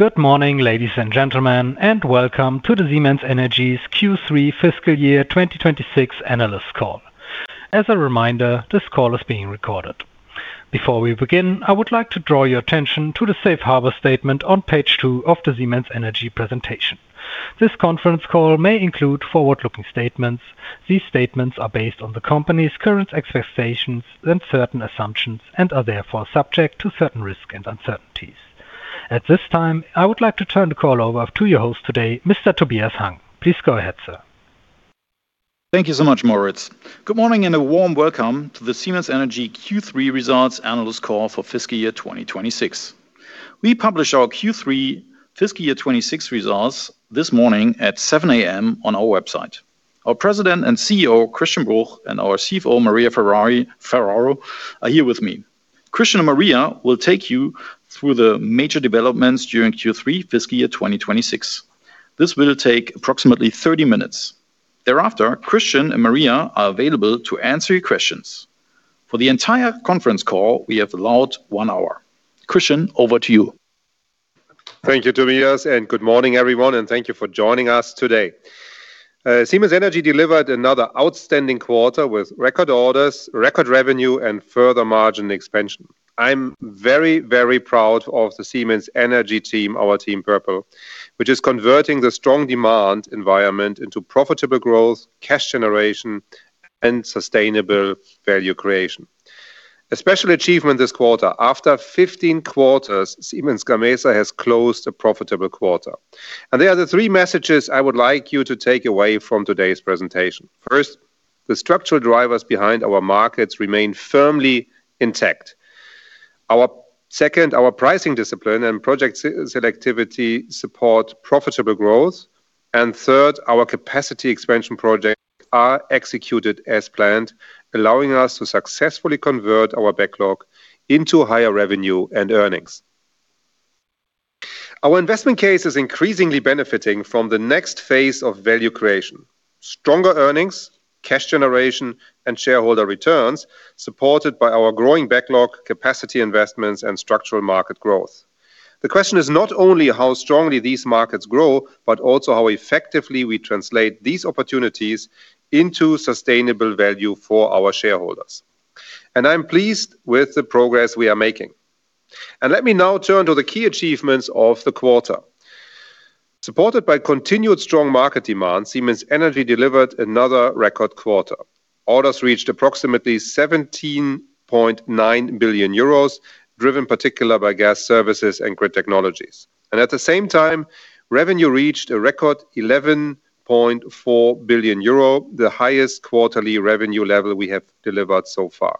Good morning, ladies and gentlemen, and welcome to the Siemens Energy's Q3 fiscal year 2026 analyst call. As a reminder, this call is being recorded. Before we begin, I would like to draw your attention to the safe harbor statement on page two of the Siemens Energy presentation. This conference call may include forward-looking statements. These statements are based on the company's current expectations and certain assumptions and are therefore subject to certain risks and uncertainties. At this time, I would like to turn the call over to your host today, Mr. Tobias Hang. Please go ahead, sir. Thank you so much, Moritz. Good morning, and a warm welcome to the Siemens Energy Q3 results analyst call for fiscal year 2026. We publish our Q3 fiscal year 2026 results this morning at 7:00 A.M. on our website. Our President and CEO, Christian Bruch, and our CFO, Maria Ferraro, are here with me. Christian and Maria will take you through the major developments during Q3 fiscal year 2026. This will take approximately 30 minutes. Thereafter, Christian and Maria are available to answer your questions. For the entire conference call, we have allowed one hour. Christian, over to you. Thank you, Tobias, and good morning, everyone, and thank you for joining us today. Siemens Energy delivered another outstanding quarter with record orders, record revenue, and further margin expansion. I'm very, very proud of the Siemens Energy team, our Team Purple, which is converting the strong demand environment into profitable growth, cash generation, and sustainable value creation. A special achievement this quarter, after 15 quarters, Siemens Gamesa has closed a profitable quarter. There are the three messages I would like you to take away from today's presentation. First, the structural drivers behind our markets remain firmly intact. Second, our pricing discipline and project selectivity support profitable growth. Third, our capacity expansion projects are executed as planned, allowing us to successfully convert our backlog into higher revenue and earnings. Our investment case is increasingly benefiting from the next phase of value creation. Stronger earnings, cash generation, and shareholder returns, supported by our growing backlog, capacity investments, and structural market growth. The question is not only how strongly these markets grow, but also how effectively we translate these opportunities into sustainable value for our shareholders. I'm pleased with the progress we are making. Let me now turn to the key achievements of the quarter. Supported by continued strong market demand, Siemens Energy delivered another record quarter. Orders reached approximately 17.9 billion euros, driven particularly by Gas Services and Grid Technologies. At the same time, revenue reached a record 11.4 billion euro, the highest quarterly revenue level we have delivered so far.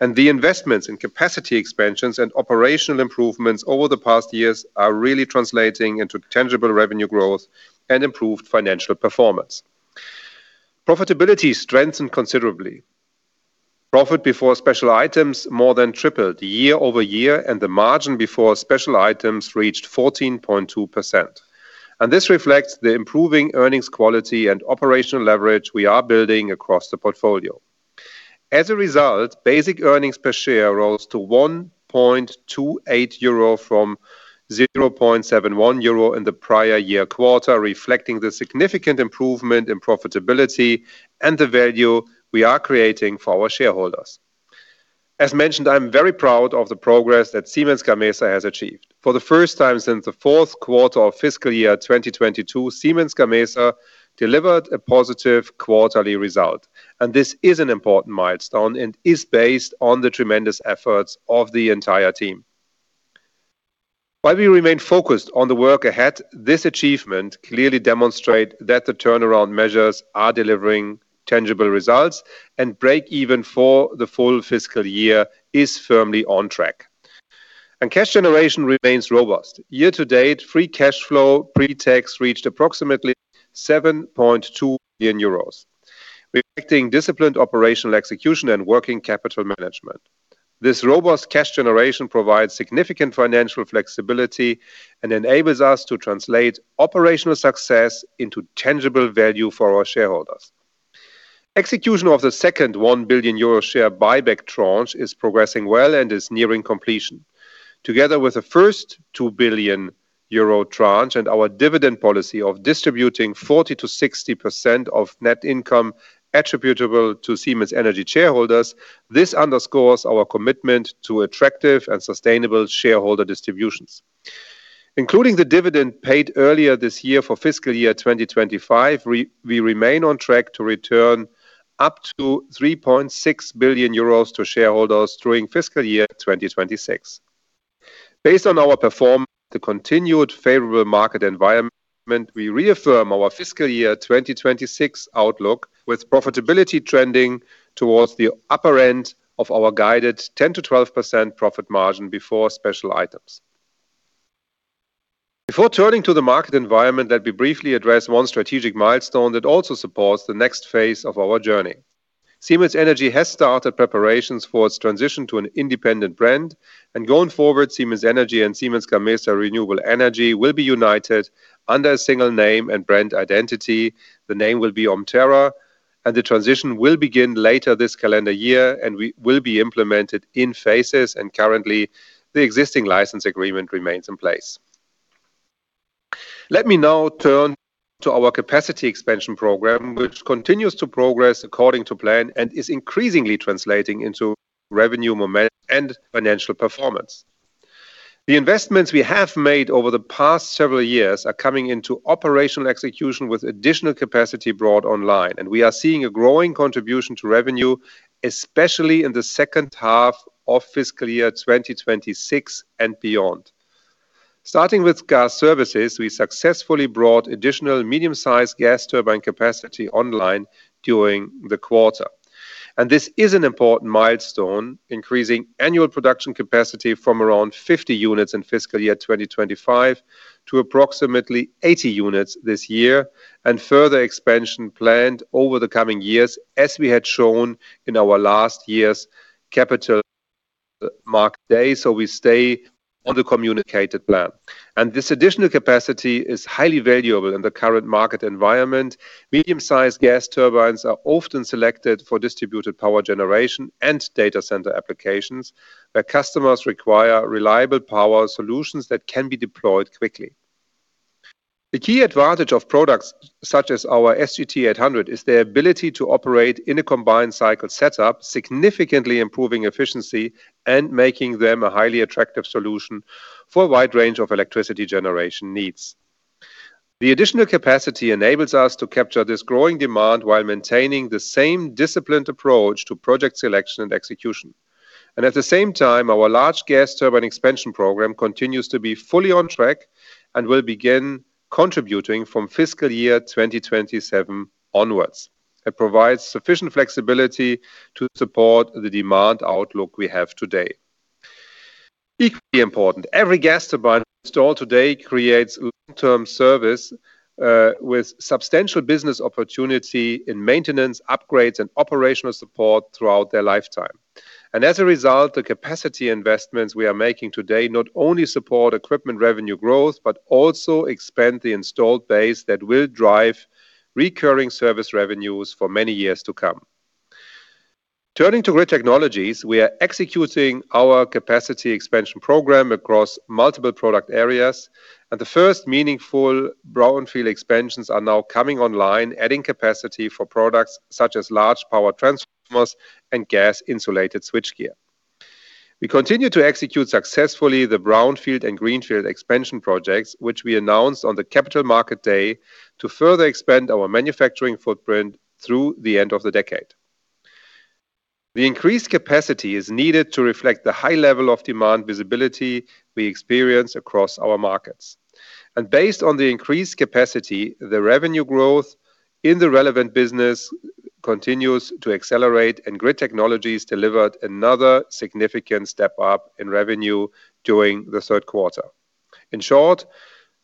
The investments in capacity expansions and operational improvements over the past years are really translating into tangible revenue growth and improved financial performance. Profitability strengthened considerably. Profit before special items more than tripled year-over-year, the margin before special items reached 14.2%. This reflects the improving earnings quality and operational leverage we are building across the portfolio. As a result, basic earnings per share rose to 1.28 euro from 0.71 euro in the prior year quarter, reflecting the significant improvement in profitability and the value we are creating for our shareholders. As mentioned, I'm very proud of the progress that Siemens Gamesa has achieved. For the first time since the fourth quarter of fiscal year 2022, Siemens Gamesa delivered a positive quarterly result. This is an important milestone and is based on the tremendous efforts of the entire team. While we remain focused on the work ahead, this achievement clearly demonstrate that the turnaround measures are delivering tangible results and break-even for the full fiscal year is firmly on track. Cash generation remains robust. Year-to-date, free cash flow pre-tax reached approximately 7.2 billion euros, reflecting disciplined operational execution and working capital management. This robust cash generation provides significant financial flexibility and enables us to translate operational success into tangible value for our shareholders. Execution of the second 1 billion euro share buyback tranche is progressing well and is nearing completion. Together with the first 2 billion euro tranche and our dividend policy of distributing 40%-60% of net income attributable to Siemens Energy shareholders, this underscores our commitment to attractive and sustainable shareholder distributions. Including the dividend paid earlier this year for fiscal year 2025, we remain on track to return up to 3.6 billion euros to shareholders during fiscal year 2026. Based on our performance and the continued favorable market environment, we reaffirm our fiscal year 2026 outlook, with profitability trending towards the upper end of our guided 10%-12% profit margin before special items. Before turning to the market environment, let me briefly address one strategic milestone that also supports the next phase of our journey. Siemens Energy has started preparations for its transition to an independent brand, going forward, Siemens Energy and Siemens Gamesa Renewable Energy will be united under a single name and brand identity. The name will be Omterra. The transition will begin later this calendar year, and will be implemented in phases. Currently, the existing license agreement remains in place. Let me now turn to our capacity expansion program, which continues to progress according to plan and is increasingly translating into revenue momentum and financial performance. The investments we have made over the past several years are coming into operational execution with additional capacity brought online. We are seeing a growing contribution to revenue, especially in the second half of fiscal year 2026 and beyond. Starting with Gas Services, we successfully brought additional medium-sized gas turbine capacity online during the quarter. This is an important milestone, increasing annual production capacity from around 50 units in fiscal year 2025 to approximately 80 units this year, and further expansion planned over the coming years, as we had shown in our last year's Capital Markets Day. We stay on the communicated plan. This additional capacity is highly valuable in the current market environment. Medium-sized gas turbines are often selected for distributed power generation and data center applications, where customers require reliable power solutions that can be deployed quickly. The key advantage of products such as our SGT-800 is their ability to operate in a combined cycle setup, significantly improving efficiency and making them a highly attractive solution for a wide range of electricity generation needs. The additional capacity enables us to capture this growing demand while maintaining the same disciplined approach to project selection and execution. At the same time, our large gas turbine expansion program continues to be fully on track and will begin contributing from fiscal year 2027 onwards. It provides sufficient flexibility to support the demand outlook we have today. Equally important, every gas turbine installed today creates long-term service with substantial business opportunity in maintenance, upgrades, and operational support throughout their lifetime. As a result, the capacity investments we are making today not only support equipment revenue growth, but also expand the installed base that will drive recurring service revenues for many years to come. Turning to Grid Technologies, we are executing our capacity expansion program across multiple product areas, and the first meaningful brownfield expansions are now coming online, adding capacity for products such as large power transformers and gas-insulated switchgear. We continue to execute successfully the brownfield and greenfield expansion projects, which we announced on the Capital Markets Day to further expand our manufacturing footprint through the end of the decade. The increased capacity is needed to reflect the high level of demand visibility we experience across our markets. Based on the increased capacity, the revenue growth in the relevant business continues to accelerate, and Grid Technologies delivered another significant step up in revenue during the third quarter. In short,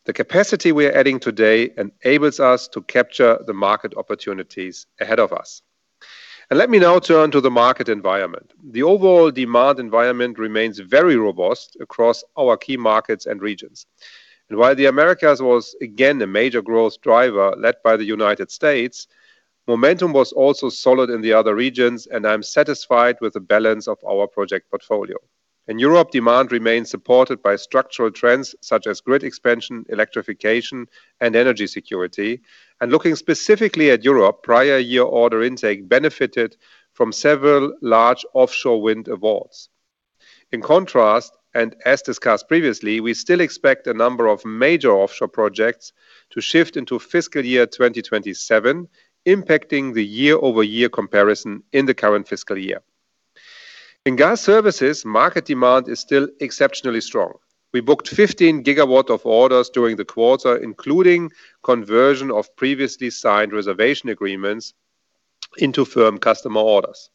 the capacity we are adding today enables us to capture the market opportunities ahead of us. Let me now turn to the market environment. The overall demand environment remains very robust across our key markets and regions. While the Americas was again a major growth driver led by the United States, momentum was also solid in the other regions, and I'm satisfied with the balance of our project portfolio. In Europe, demand remains supported by structural trends such as grid expansion, electrification, and energy security. Looking specifically at Europe, prior year order intake benefited from several large offshore wind awards. In contrast, as discussed previously, we still expect a number of major offshore projects to shift into fiscal year 2027, impacting the year-over-year comparison in the current fiscal year. In Gas Services, market demand is still exceptionally strong. We booked 15 GW of orders during the quarter, including conversion of previously signed reservation agreements into firm customer orders.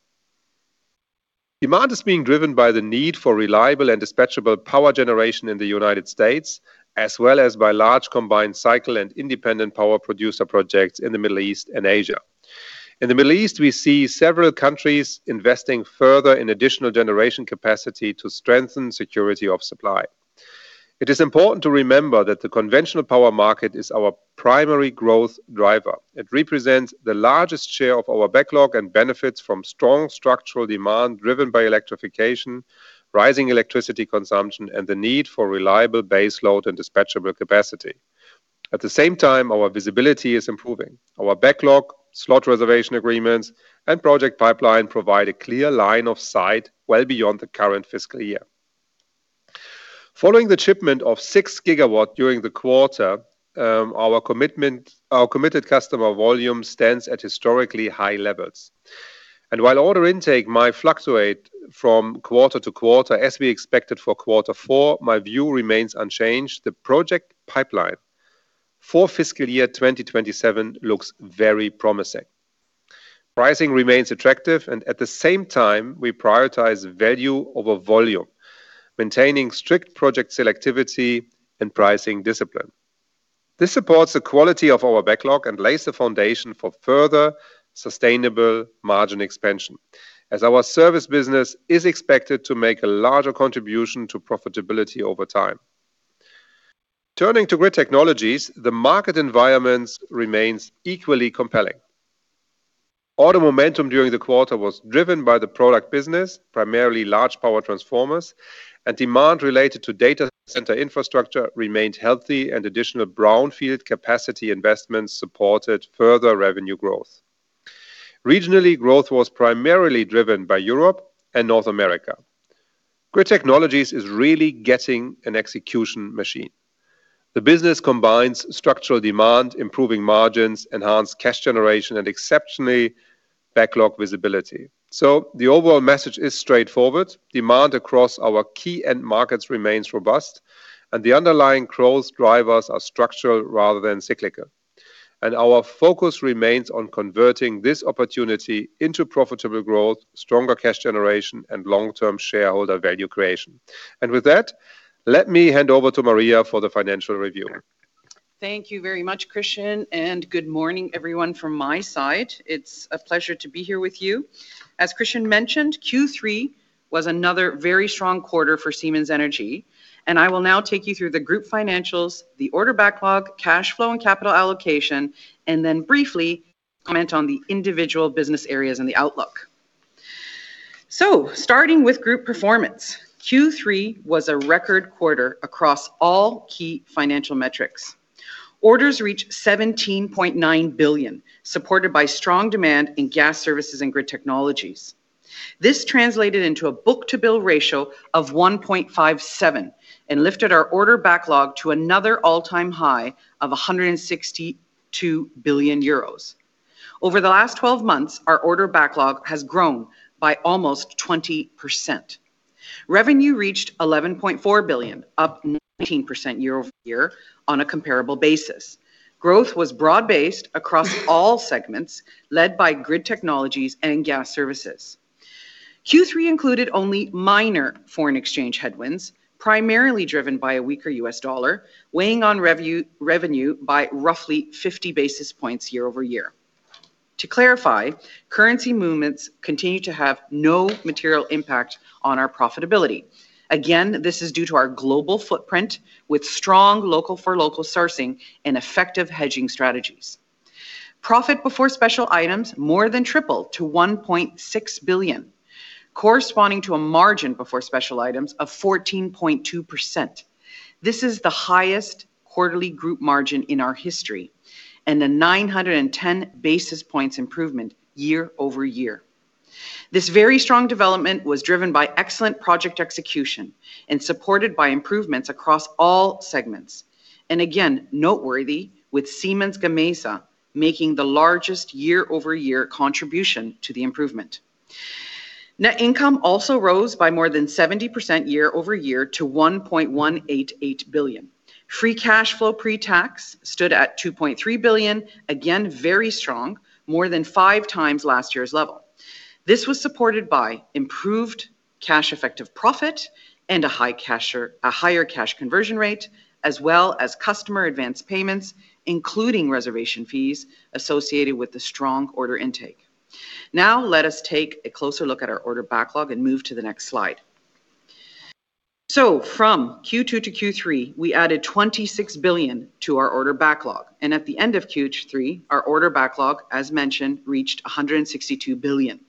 Demand is being driven by the need for reliable and dispatchable power generation in the United States, as well as by large combined cycle and independent power producer projects in the Middle East and Asia. In the Middle East, we see several countries investing further in additional generation capacity to strengthen security of supply. It is important to remember that the conventional power market is our primary growth driver. It represents the largest share of our backlog and benefits from strong structural demand driven by electrification, rising electricity consumption, and the need for reliable base load and dispatchable capacity. At the same time, our visibility is improving. Our backlog, slot reservation agreements, and project pipeline provide a clear line of sight well beyond the current fiscal year. Following the shipment of 6 GW during the quarter, our committed customer volume stands at historically high levels. While order intake might fluctuate from quarter to quarter, as we expected for quarter four, my view remains unchanged. The project pipeline for fiscal year 2027 looks very promising. Pricing remains attractive and, at the same time, we prioritize value over volume, maintaining strict project selectivity and pricing discipline. This supports the quality of our backlog and lays the foundation for further sustainable margin expansion as our service business is expected to make a larger contribution to profitability over time. Turning to Grid Technologies, the market environment remains equally compelling. Order momentum during the quarter was driven by the product business, primarily large power transformers, and demand related to data center infrastructure remained healthy and additional brownfield capacity investments supported further revenue growth. Regionally, growth was primarily driven by Europe and North America. Grid Technologies is really getting an execution machine. The business combines structural demand, improving margins, enhanced cash generation, and exceptionally backlog visibility. The overall message is straightforward. Demand across our key end markets remains robust, and the underlying growth drivers are structural rather than cyclical. Our focus remains on converting this opportunity into profitable growth, stronger cash generation, and long-term shareholder value creation. With that, let me hand over to Maria for the financial review. Thank you very much, Christian, and good morning, everyone, from my side. It's a pleasure to be here with you. As Christian mentioned, Q3 was another very strong quarter for Siemens Energy, and I will now take you through the group financials, the order backlog, cash flow, and capital allocation, and then briefly comment on the individual business areas and the outlook. Starting with group performance, Q3 was a record quarter across all key financial metrics. Orders reached 17.9 billion, supported by strong demand in Gas Services and Grid Technologies. This translated into a book-to-bill ratio of 1.57x and lifted our order backlog to another all-time high of 162 billion euros. Over the last 12 months, our order backlog has grown by almost 20%. Revenue reached 11.4 billion, up 19% year-over-year on a comparable basis. Growth was broad-based across all segments, led by Grid Technologies and Gas Services. Q3 included only minor foreign exchange headwinds, primarily driven by a weaker U.S. dollar, weighing on revenue by roughly 50 basis points year-over-year. To clarify, currency movements continue to have no material impact on our profitability. Again, this is due to our global footprint with strong local-for-local sourcing and effective hedging strategies. Profit before special items more than tripled to 1.6 billion, corresponding to a margin before special items of 14.2%. This is the highest quarterly group margin in our history and a 910 basis points improvement year-over-year. This very strong development was driven by excellent project execution and supported by improvements across all segments. Again, noteworthy with Siemens Gamesa making the largest year-over-year contribution to the improvement. Net income also rose by more than 70% year-over-year to 1.188 billion. Free cash flow pre-tax stood at 2.3 billion. Again, very strong, more than 5x last year's level. This was supported by improved cash-effective profit and a higher cash conversion rate, as well as customer advanced payments, including reservation fees associated with the strong order intake. Let us take a closer look at our order backlog and move to the next slide. From Q2 to Q3, we added 26 billion to our order backlog, and at the end of Q3, our order backlog, as mentioned, reached 162 billion.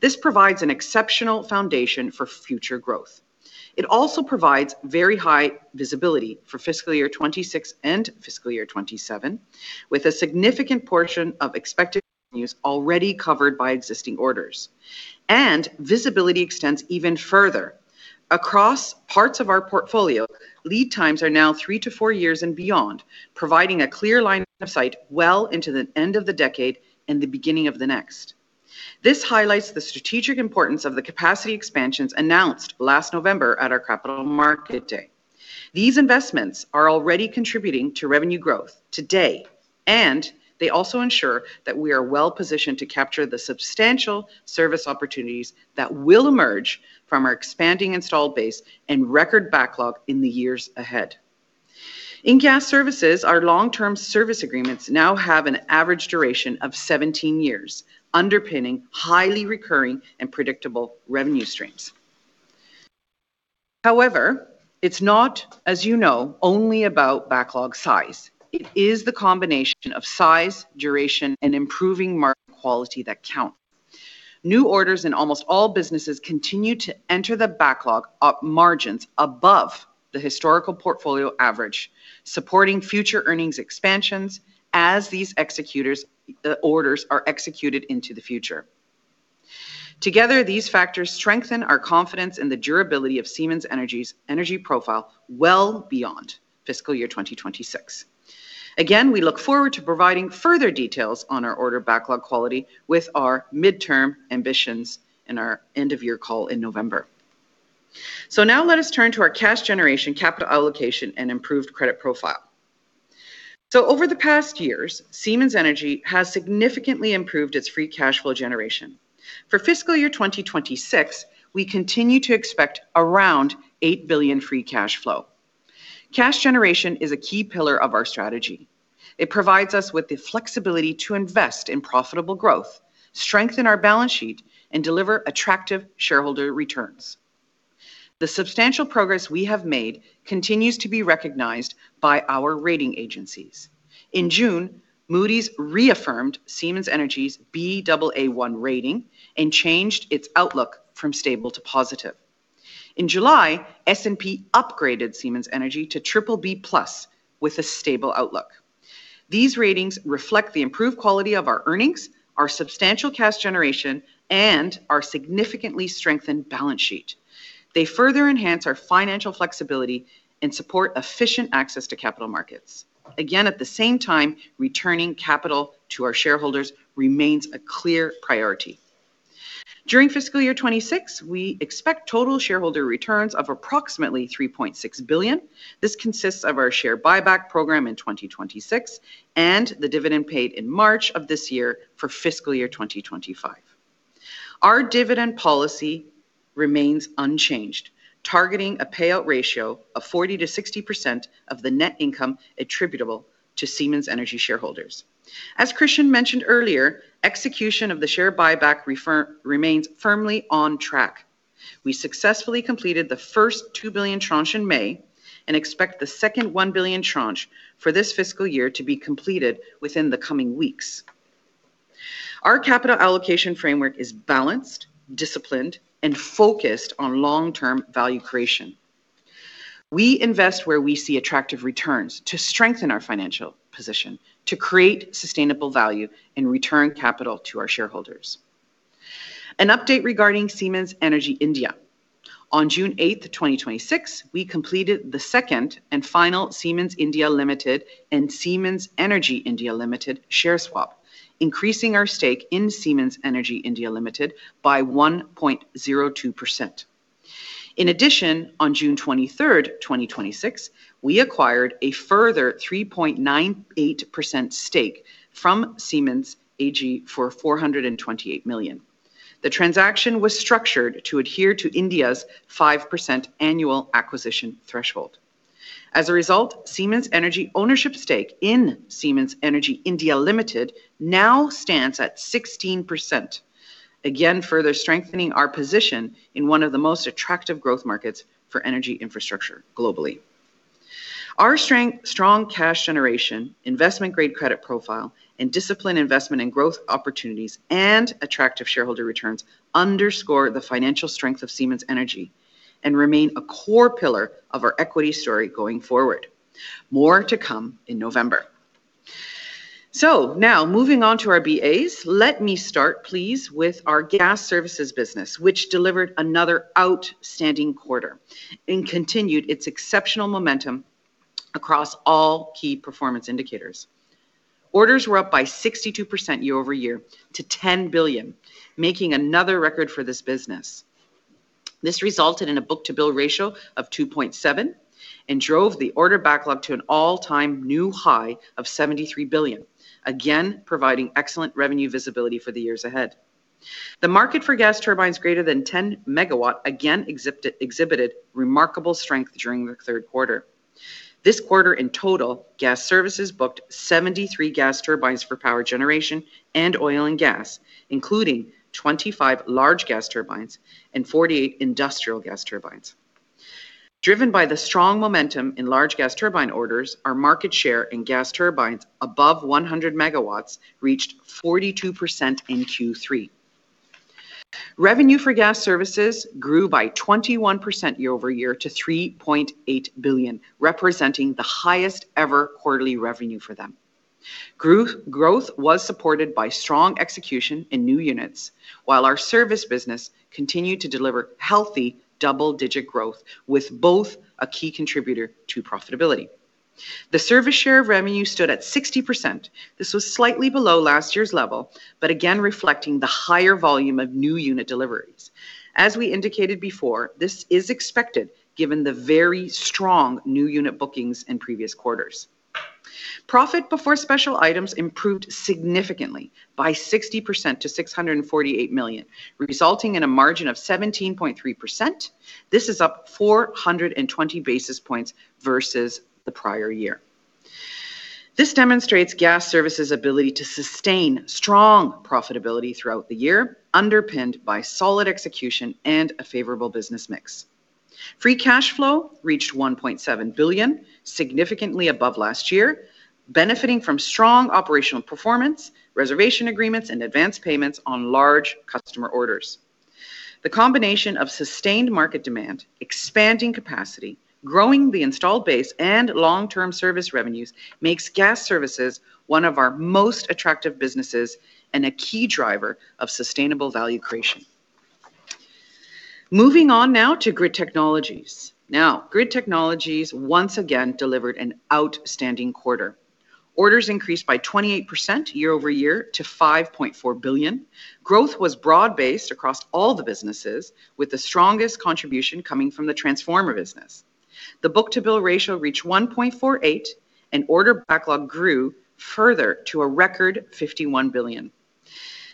This provides an exceptional foundation for future growth. It also provides very high visibility for fiscal year 2026 and fiscal year 2027, with a significant portion of expected use already covered by existing orders. And visibility extends even further. Across parts of our portfolio, lead times are now three to four years and beyond, providing a clear line of sight well into the end of the decade and the beginning of the next. This highlights the strategic importance of the capacity expansions announced last November at our Capital Markets Day. These investments are already contributing to revenue growth today, and they also ensure that we are well-positioned to capture the substantial service opportunities that will emerge from our expanding installed base and record backlog in the years ahead. In Gas Services, our long-term service agreements now have an average duration of 17 years, underpinning highly recurring and predictable revenue streams. It's not, as you know, only about backlog size. It is the combination of size, duration, and improving market quality that count. New orders in almost all businesses continue to enter the backlog, up margins above the historical portfolio average, supporting future earnings expansions as these orders are executed into the future. Together, these factors strengthen our confidence in the durability of Siemens Energy's energy profile well beyond fiscal year 2026. Again, we look forward to providing further details on our order backlog quality with our mid-term ambitions in our end-of-year call in November. Now let us turn to our cash generation, capital allocation, and improved credit profile. Over the past years, Siemens Energy has significantly improved its free cash flow generation. For fiscal year 2026, we continue to expect around 8 billion free cash flow. Cash generation is a key pillar of our strategy. It provides us with the flexibility to invest in profitable growth, strengthen our balance sheet, and deliver attractive shareholder returns. The substantial progress we have made continues to be recognized by our rating agencies. In June, Moody's reaffirmed Siemens Energy's Baa1 rating and changed its outlook from stable to positive. In July, S&P upgraded Siemens Energy to BBB+ with a stable outlook. These ratings reflect the improved quality of our earnings, our substantial cash generation, and our significantly strengthened balance sheet. They further enhance our financial flexibility and support efficient access to capital markets. At the same time, returning capital to our shareholders remains a clear priority. During fiscal year 2026, we expect total shareholder returns of approximately 3.6 billion. This consists of our share buyback program in 2026 and the dividend paid in March of this year for fiscal year 2025. Our dividend policy remains unchanged, targeting a payout ratio of 40%-60% of the net income attributable to Siemens Energy shareholders. As Christian mentioned earlier, execution of the share buyback remains firmly on track. We successfully completed the first 2 billion tranche in May and expect the second 1 billion tranche for this fiscal year to be completed within the coming weeks. Our capital allocation framework is balanced, disciplined, and focused on long-term value creation. We invest where we see attractive returns to strengthen our financial position, to create sustainable value, and return capital to our shareholders. An update regarding Siemens Energy India. On June 8th, 2026, we completed the second and final Siemens Limited and Siemens Energy India Limited share swap, increasing our stake in Siemens Energy India Limited by 1.02%. In addition, on June 23rd, 2026, we acquired a further 3.98% stake from Siemens AG for 428 million. The transaction was structured to adhere to India's 5% annual acquisition threshold. As a result, Siemens Energy ownership stake in Siemens Energy India Limited now stands at 16%, again, further strengthening our position in one of the most attractive growth markets for energy infrastructure globally. Our strong cash generation, investment-grade credit profile, and disciplined investment in growth opportunities and attractive shareholder returns underscore the financial strength of Siemens Energy and remain a core pillar of our equity story going forward. More to come in November. Now moving on to our BAs. Let me start, please, with our Gas Services business, which delivered another outstanding quarter and continued its exceptional momentum across all key performance indicators. Orders were up by 62% year-over-year to 10 billion, making another record for this business. This resulted in a book-to-bill ratio of 2.7x and drove the order backlog to an all-time new high of 73 billion, again, providing excellent revenue visibility for the years ahead. The market for gas turbines greater than 10 MW again exhibited remarkable strength during the third quarter. This quarter, in total, Gas Services booked 73 gas turbines for power generation and oil and gas, including 25 large gas turbines and 48 industrial gas turbines. Driven by the strong momentum in large gas turbine orders, our market share in gas turbines above 100 MW reached 42% in Q3. Revenue for Gas Services grew by 21% year-over-year to 3.8 billion, representing the highest-ever quarterly revenue for them. Growth was supported by strong execution in new units, while our service business continued to deliver healthy double-digit growth, with both a key contributor to profitability. The service share of revenue stood at 60%. This was slightly below last year's level, but again reflecting the higher volume of new unit deliveries. As we indicated before, this is expected given the very strong new unit bookings in previous quarters. Profit before special items improved significantly by 60% to 648 million, resulting in a margin of 17.3%. This is up 420 basis points versus the prior year. This demonstrates Gas Services' ability to sustain strong profitability throughout the year, underpinned by solid execution and a favorable business mix. Free cash flow reached 1.7 billion, significantly above last year, benefiting from strong operational performance, reservation agreements, and advanced payments on large customer orders. The combination of sustained market demand, expanding capacity, growing the installed base, and long-term service revenues makes Gas Services one of our most attractive businesses and a key driver of sustainable value creation. Moving on now to Grid Technologies. Grid Technologies once again delivered an outstanding quarter. Orders increased by 28% year-over-year to 5.4 billion. Growth was broad-based across all the businesses, with the strongest contribution coming from the transformer business. The book-to-bill ratio reached 1.48x, and order backlog grew further to a record 51 billion.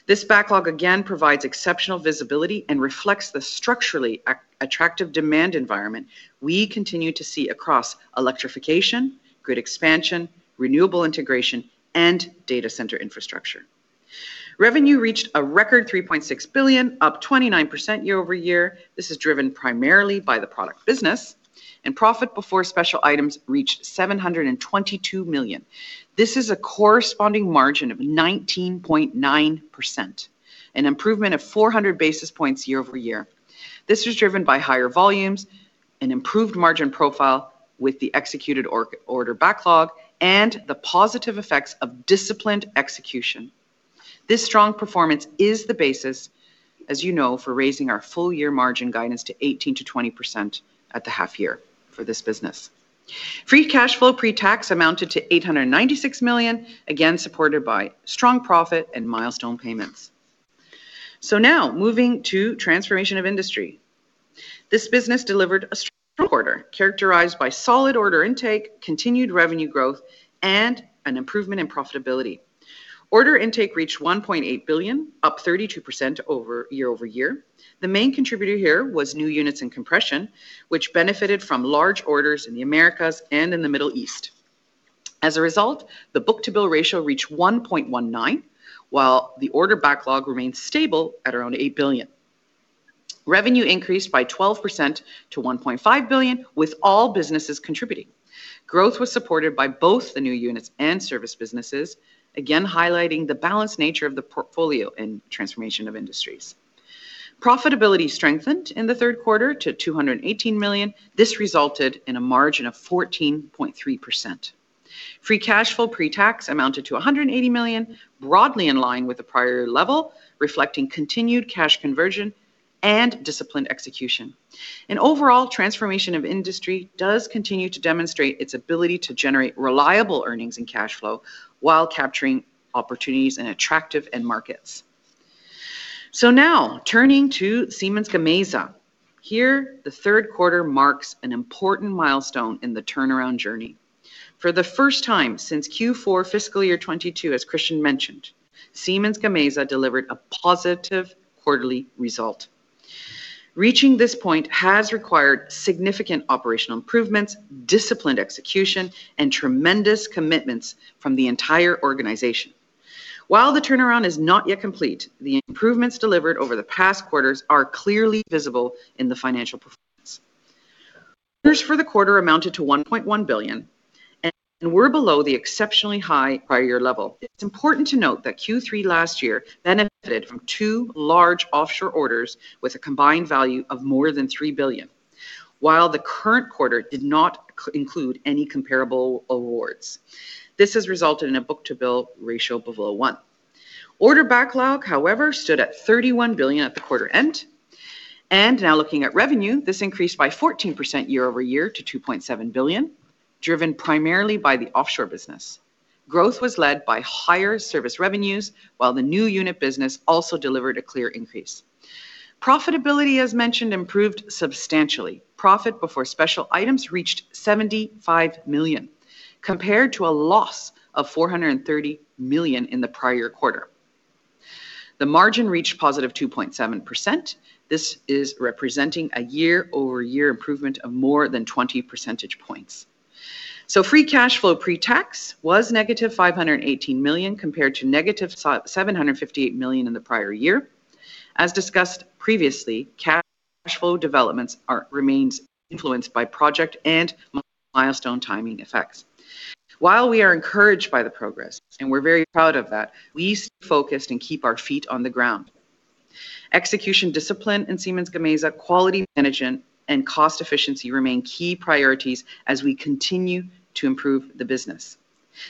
This backlog, again, provides exceptional visibility and reflects the structurally attractive demand environment we continue to see across electrification, grid expansion, renewable integration, and data center infrastructure. Revenue reached a record 3.6 billion, up 29% year-over-year. This is driven primarily by the product business. Profit before special items reached 722 million. This is a corresponding margin of 19.9%, an improvement of 400 basis points year-over-year. This was driven by higher volumes, an improved margin profile with the executed order backlog, and the positive effects of disciplined execution. This strong performance is the basis, as you know, for raising our full-year margin guidance to 18%-20% at the half year for this business. Free cash flow pre-tax amounted to 896 million, again supported by strong profit and milestone payments. Now moving to Transformation of Industry. This business delivered a strong quarter characterized by solid order intake, continued revenue growth, and an improvement in profitability. Order intake reached 1.8 billion, up 32% year-over-year. The main contributor here was new units and compression, which benefited from large orders in the Americas and in the Middle East. As a result, the book-to-bill ratio reached 1.19x, while the order backlog remained stable at around 8 billion. Revenue increased by 12% to 1.5 billion, with all businesses contributing. Growth was supported by both the new units and service businesses, again highlighting the balanced nature of the portfolio in Transformation of Industry. Profitability strengthened in the third quarter to 218 million. This resulted in a margin of 14.3%. Free cash flow pre-tax amounted to 180 million, broadly in line with the prior level, reflecting continued cash conversion and disciplined execution. Overall, Transformation of Industry does continue to demonstrate its ability to generate reliable earnings and cash flow while capturing opportunities in attractive end markets. Now turning to Siemens Gamesa. Here, the third quarter marks an important milestone in the turnaround journey. For the first time since Q4 fiscal year 2022, as Christian mentioned, Siemens Gamesa delivered a positive quarterly result. Reaching this point has required significant operational improvements, disciplined execution, and tremendous commitments from the entire organization. While the turnaround is not yet complete, the improvements delivered over the past quarters are clearly visible in the financial performance. Orders for the quarter amounted to 1.1 billion and were below the exceptionally high prior year level. It's important to note that Q3 last year benefited from two large offshore orders with a combined value of more than 3 billion. While the current quarter did not include any comparable awards. This has resulted in a book-to-bill ratio below 1x. Order backlog, however, stood at 31 billion at the quarter end. Now looking at revenue, this increased by 14% year-over-year to 2.7 billion, driven primarily by the offshore business. Growth was led by higher service revenues, while the new unit business also delivered a clear increase. Profitability, as mentioned, improved substantially. Profit before special items reached 75 million, compared to a loss of 430 million in the prior quarter. The margin reached +2.7%. This is representing a year-over-year improvement of more than 20 percentage points. Free cash flow pre-tax was -518 million compared to -758 million in the prior year. As discussed previously, cash flow developments remains influenced by project and milestone timing effects. While we are encouraged by the progress, we're very proud of that, we stay focused and keep our feet on the ground. Execution discipline in Siemens Gamesa, quality management, and cost efficiency remain key priorities as we continue to improve the business.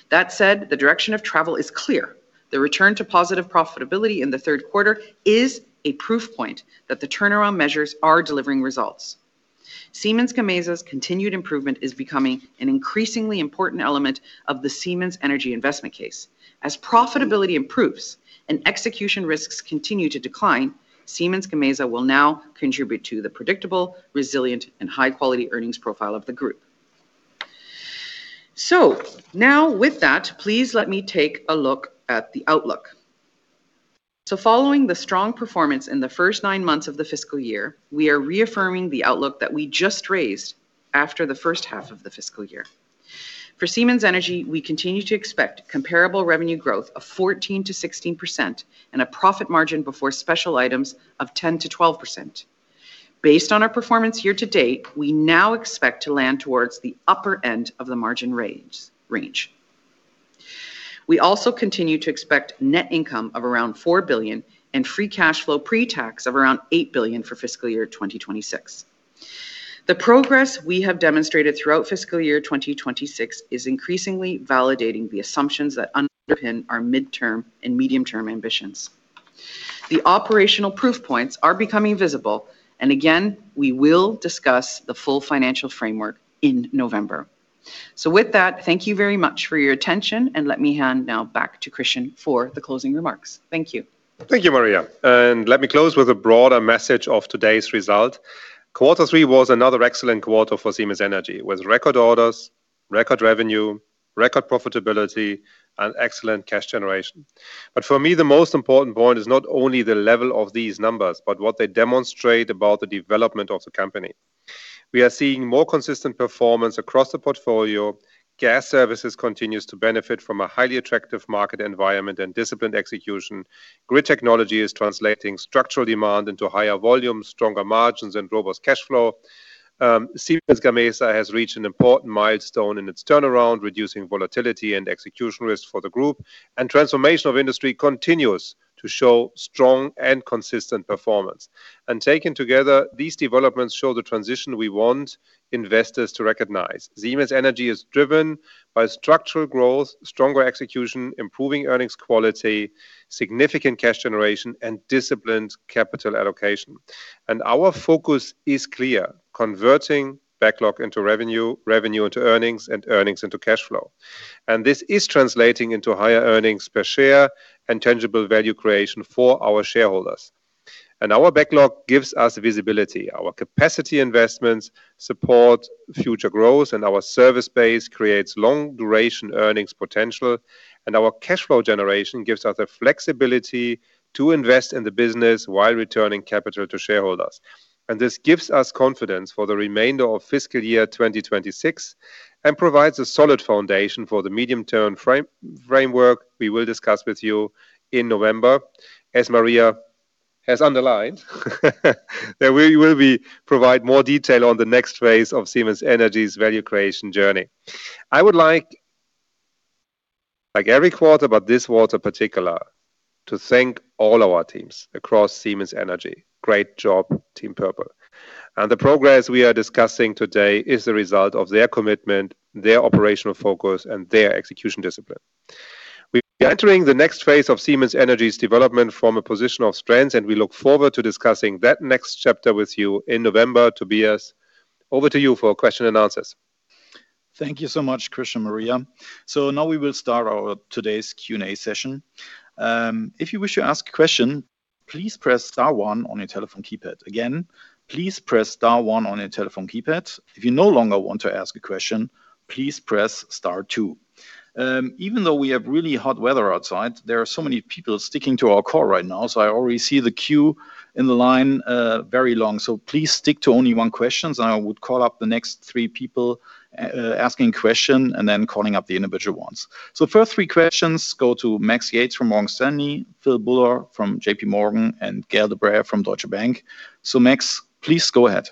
That said, the direction of travel is clear. The return to positive profitability in the third quarter is a proof point that the turnaround measures are delivering results. Siemens Gamesa's continued improvement is becoming an increasingly important element of the Siemens Energy investment case. As profitability improves and execution risks continue to decline, Siemens Gamesa will now contribute to the predictable, resilient, and high-quality earnings profile of the group. Now with that, please let me take a look at the outlook. Following the strong performance in the first nine months of the fiscal year, we are reaffirming the outlook that we just raised after the first half of the fiscal year. For Siemens Energy, we continue to expect comparable revenue growth of 14%-16% and a profit margin before special items of 10%-12%. Based on our performance year to date, we now expect to land towards the upper end of the margin range. We also continue to expect net income of around 4 billion and free cash flow pre-tax of around 8 billion for fiscal year 2026. The progress we have demonstrated throughout fiscal year 2026 is increasingly validating the assumptions that underpin our midterm and medium-term ambitions. Again, we will discuss the full financial framework in November. With that, thank you very much for your attention, let me hand now back to Christian for the closing remarks. Thank you. Thank you, Maria. Let me close with a broader message of today's result. Quarter three was another excellent quarter for Siemens Energy. With record orders, record revenue, record profitability, and excellent cash generation. For me, the most important point is not only the level of these numbers, but what they demonstrate about the development of the company. We are seeing more consistent performance across the portfolio. Gas Services continues to benefit from a highly attractive market environment and disciplined execution. Grid Technologies is translating structural demand into higher volumes, stronger margins, and robust cash flow. Siemens Gamesa has reached an important milestone in its turnaround, reducing volatility and execution risk for the group. Transformation of Industry continues to show strong and consistent performance. Taken together, these developments show the transition we want investors to recognize. Siemens Energy is driven by structural growth, stronger execution, improving earnings quality, significant cash generation, and disciplined capital allocation. Our focus is clear: converting backlog into revenue into earnings, and earnings into cash flow. This is translating into higher earnings per share and tangible value creation for our shareholders. Our backlog gives us visibility. Our capacity investments support future growth, and our service base creates long-duration earnings potential. Our cash flow generation gives us the flexibility to invest in the business while returning capital to shareholders. This gives us confidence for the remainder of fiscal year 2026 and provides a solid foundation for the medium-term framework we will discuss with you in November. As Maria has underlined, there will be provide more detail on the next phase of Siemens Energy's value creation journey. I would like, every quarter, but this quarter particular, to thank all our teams across Siemens Energy. Great job, Team Purple. The progress we are discussing today is the result of their commitment, their operational focus, and their execution discipline. We are entering the next phase of Siemens Energy's development from a position of strength, and we look forward to discussing that next chapter with you in November. Tobias, over to you for question and answers. Thank you so much, Christian, Maria. Now we will start our today's Q&A session. If you wish to ask a question, please press star one on your telephone keypad. Again, please press star one on your telephone keypad. If you no longer want to ask a question, please press star two. Even though we have really hot weather outside, there are so many people sticking to our call right now, so I already see the queue in the line very long. Please stick to only one questions, and I would call up the next three people asking question and then calling up the individual ones. First three questions go to Max Yates from Morgan Stanley, Phil Buller from JPMorgan, and Gael de-Bray from Deutsche Bank. Max, please go ahead.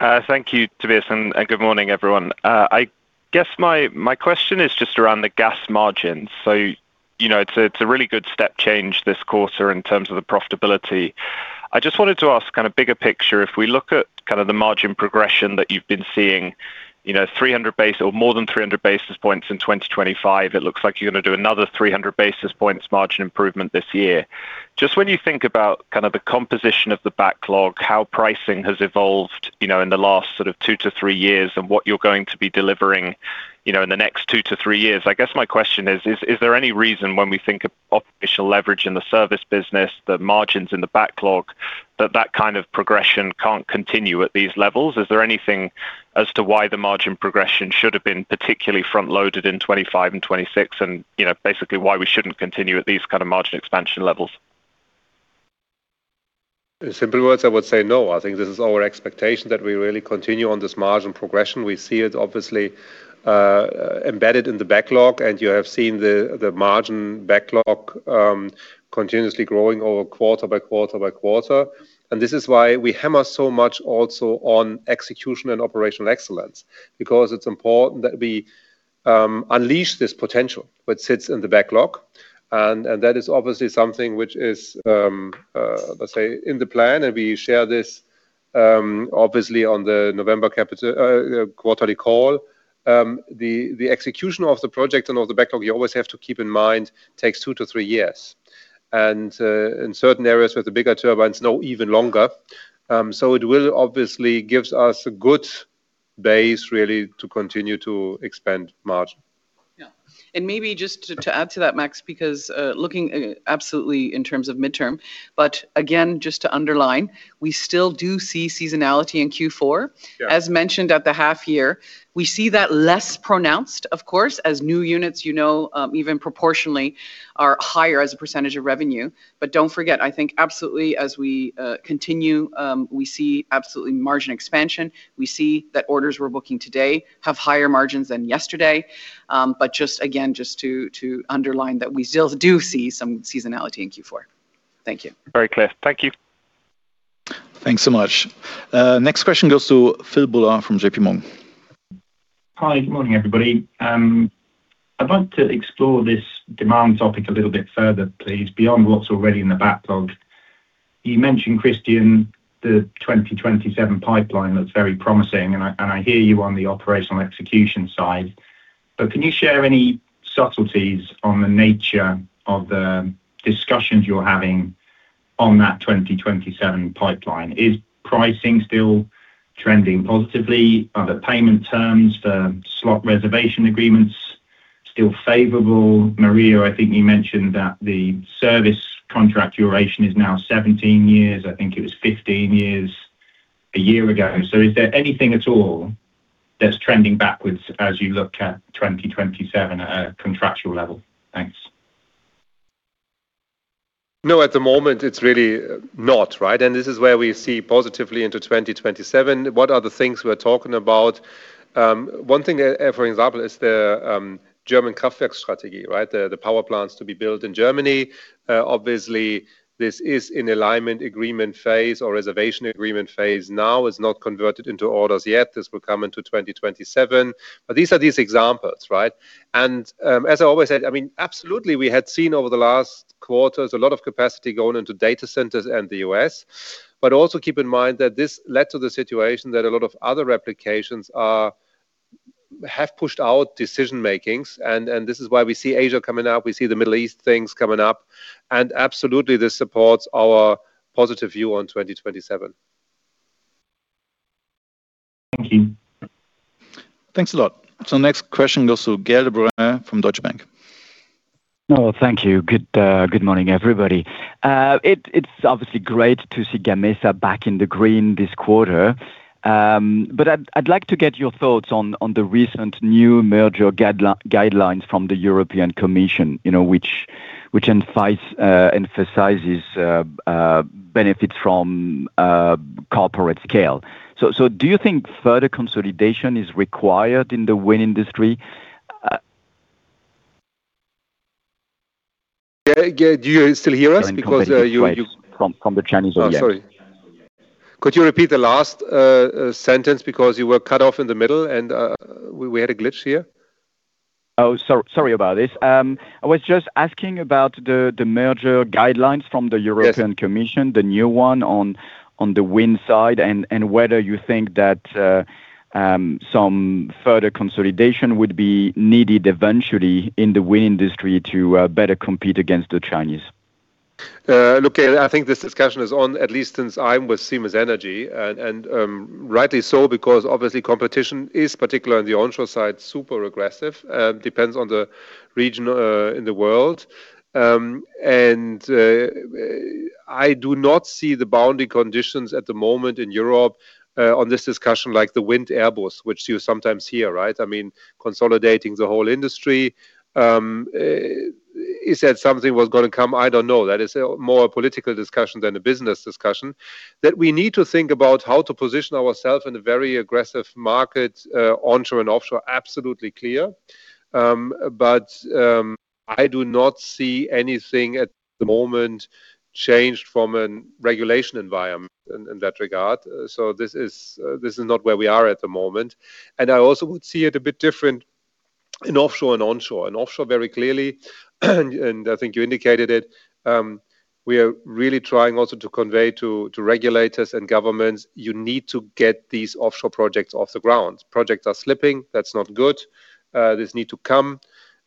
Thank you, Tobias. Good morning, everyone. I guess my question is just around the gas margins. It's a really good step change this quarter in terms of the profitability. I just wanted to ask kind of bigger picture, if we look at the margin progression that you've been seeing, more than 300 basis points in 2025. It looks like you're going to do another 300 basis points margin improvement this year. Just when you think about the composition of the backlog, how pricing has evolved in the last two to three years, and what you're going to be delivering in the next two to three years, I guess my question is: Is there any reason when we think of operational leverage in the service business, the margins in the backlog, that that kind of progression can't continue at these levels? Is there anything as to why the margin progression should have been particularly front-loaded in 2025 and 2026, and basically why we shouldn't continue at these kind of margin expansion levels? In simple words, I would say no. I think this is our expectation that we really continue on this margin progression. We see it obviously embedded in the backlog, and you have seen the margin backlog continuously growing over quarter by quarter by quarter. This is why we hammer so much also on execution and operational excellence because it's important that we unleash this potential that sits in the backlog. That is obviously something which is, let's say, in the plan, and we share this obviously on the November quarterly call. The execution of the project and of the backlog, you always have to keep in mind, takes two to three years. In certain areas with the bigger turbines, now even longer. It will obviously gives us a good base, really, to continue to expand margin. Yeah. Maybe just to add to that, Max, because looking absolutely in terms of midterm, again, just to underline, we still do see seasonality in Q4. Yeah. As mentioned at the half year, we see that less pronounced, of course, as new units even proportionally are higher as a percentage of revenue. Don't forget, I think absolutely as we continue, we see absolutely margin expansion. We see that orders we're booking today have higher margins than yesterday. Just again, just to underline that we still do see some seasonality in Q4. Thank you. Very clear. Thank you. Thanks so much. Next question goes to Phil Buller from JPMorgan. Hi, good morning, everybody. I'd like to explore this demand topic a little bit further, please, beyond what's already in the backlog. You mentioned, Christian, the 2027 pipeline looks very promising, and I hear you on the operational execution side. Can you share any subtleties on the nature of the discussions you're having on that 2027 pipeline? Is pricing still trending positively? Are the payment terms for slot reservation agreements still favorable? Maria, I think you mentioned that the service contract duration is now 17 years. I think it was 15 years a year ago. Is there anything at all that's trending backwards as you look at 2027 at a contractual level? Thanks. No, at the moment, it's really not. This is where we see positively into 2027. What are the things we're talking about? One thing, for example, is the German Kraftwerksstrategie, the power plants to be built in Germany. Obviously, this is in alignment agreement phase or reservation agreement phase now. It's not converted into orders yet. This will come into 2027. These are these examples. As I always said, absolutely, we had seen over the last quarters a lot of capacity going into data centers and the U.S. Also keep in mind that this led to the situation that a lot of other replications have pushed out decision-makings, and this is why we see Asia coming up, we see the Middle East things coming up. Absolutely, this supports our positive view on 2027. Thank you. Thanks a lot. Next question goes to Gael de-Bray from Deutsche Bank. Thank you. Good morning, everybody. It's obviously great to see Gamesa back in the green this quarter. I'd like to get your thoughts on the recent new merger guidelines from the European Commission, which emphasizes benefits from corporate scale. Do you think further consolidation is required in the wind industry? Gael, do you still hear us? From the Chinese or yes. Oh, sorry. Could you repeat the last sentence because you were cut off in the middle and we had a glitch here? Oh, sorry about this. I was just asking about the merger guidelines from the European Commission- Yes. -the new one on the wind side, and whether you think that some further consolidation would be needed eventually in the wind industry to better compete against the Chinese. Look, Gael, I think this discussion is on, at least since I'm with Siemens Energy, and rightly so, because obviously competition is, particularly on the onshore side, super aggressive. Depends on the region in the world. I do not see the boundary conditions at the moment in Europe on this discussion, like the wind airbus, which you sometimes hear. Consolidating the whole industry. You said something was going to come, I don't know. That is more a political discussion than a business discussion. We need to think about how to position ourself in a very aggressive market, onshore and offshore, absolutely clear. I do not see anything at the moment changed from a regulation environment in that regard. This is not where we are at the moment. I also would see it a bit different in offshore and onshore. In offshore, very clearly, and I think you indicated it, we are really trying also to convey to regulators and governments, you need to get these offshore projects off the ground. Projects are slipping. That's not good. This need to come.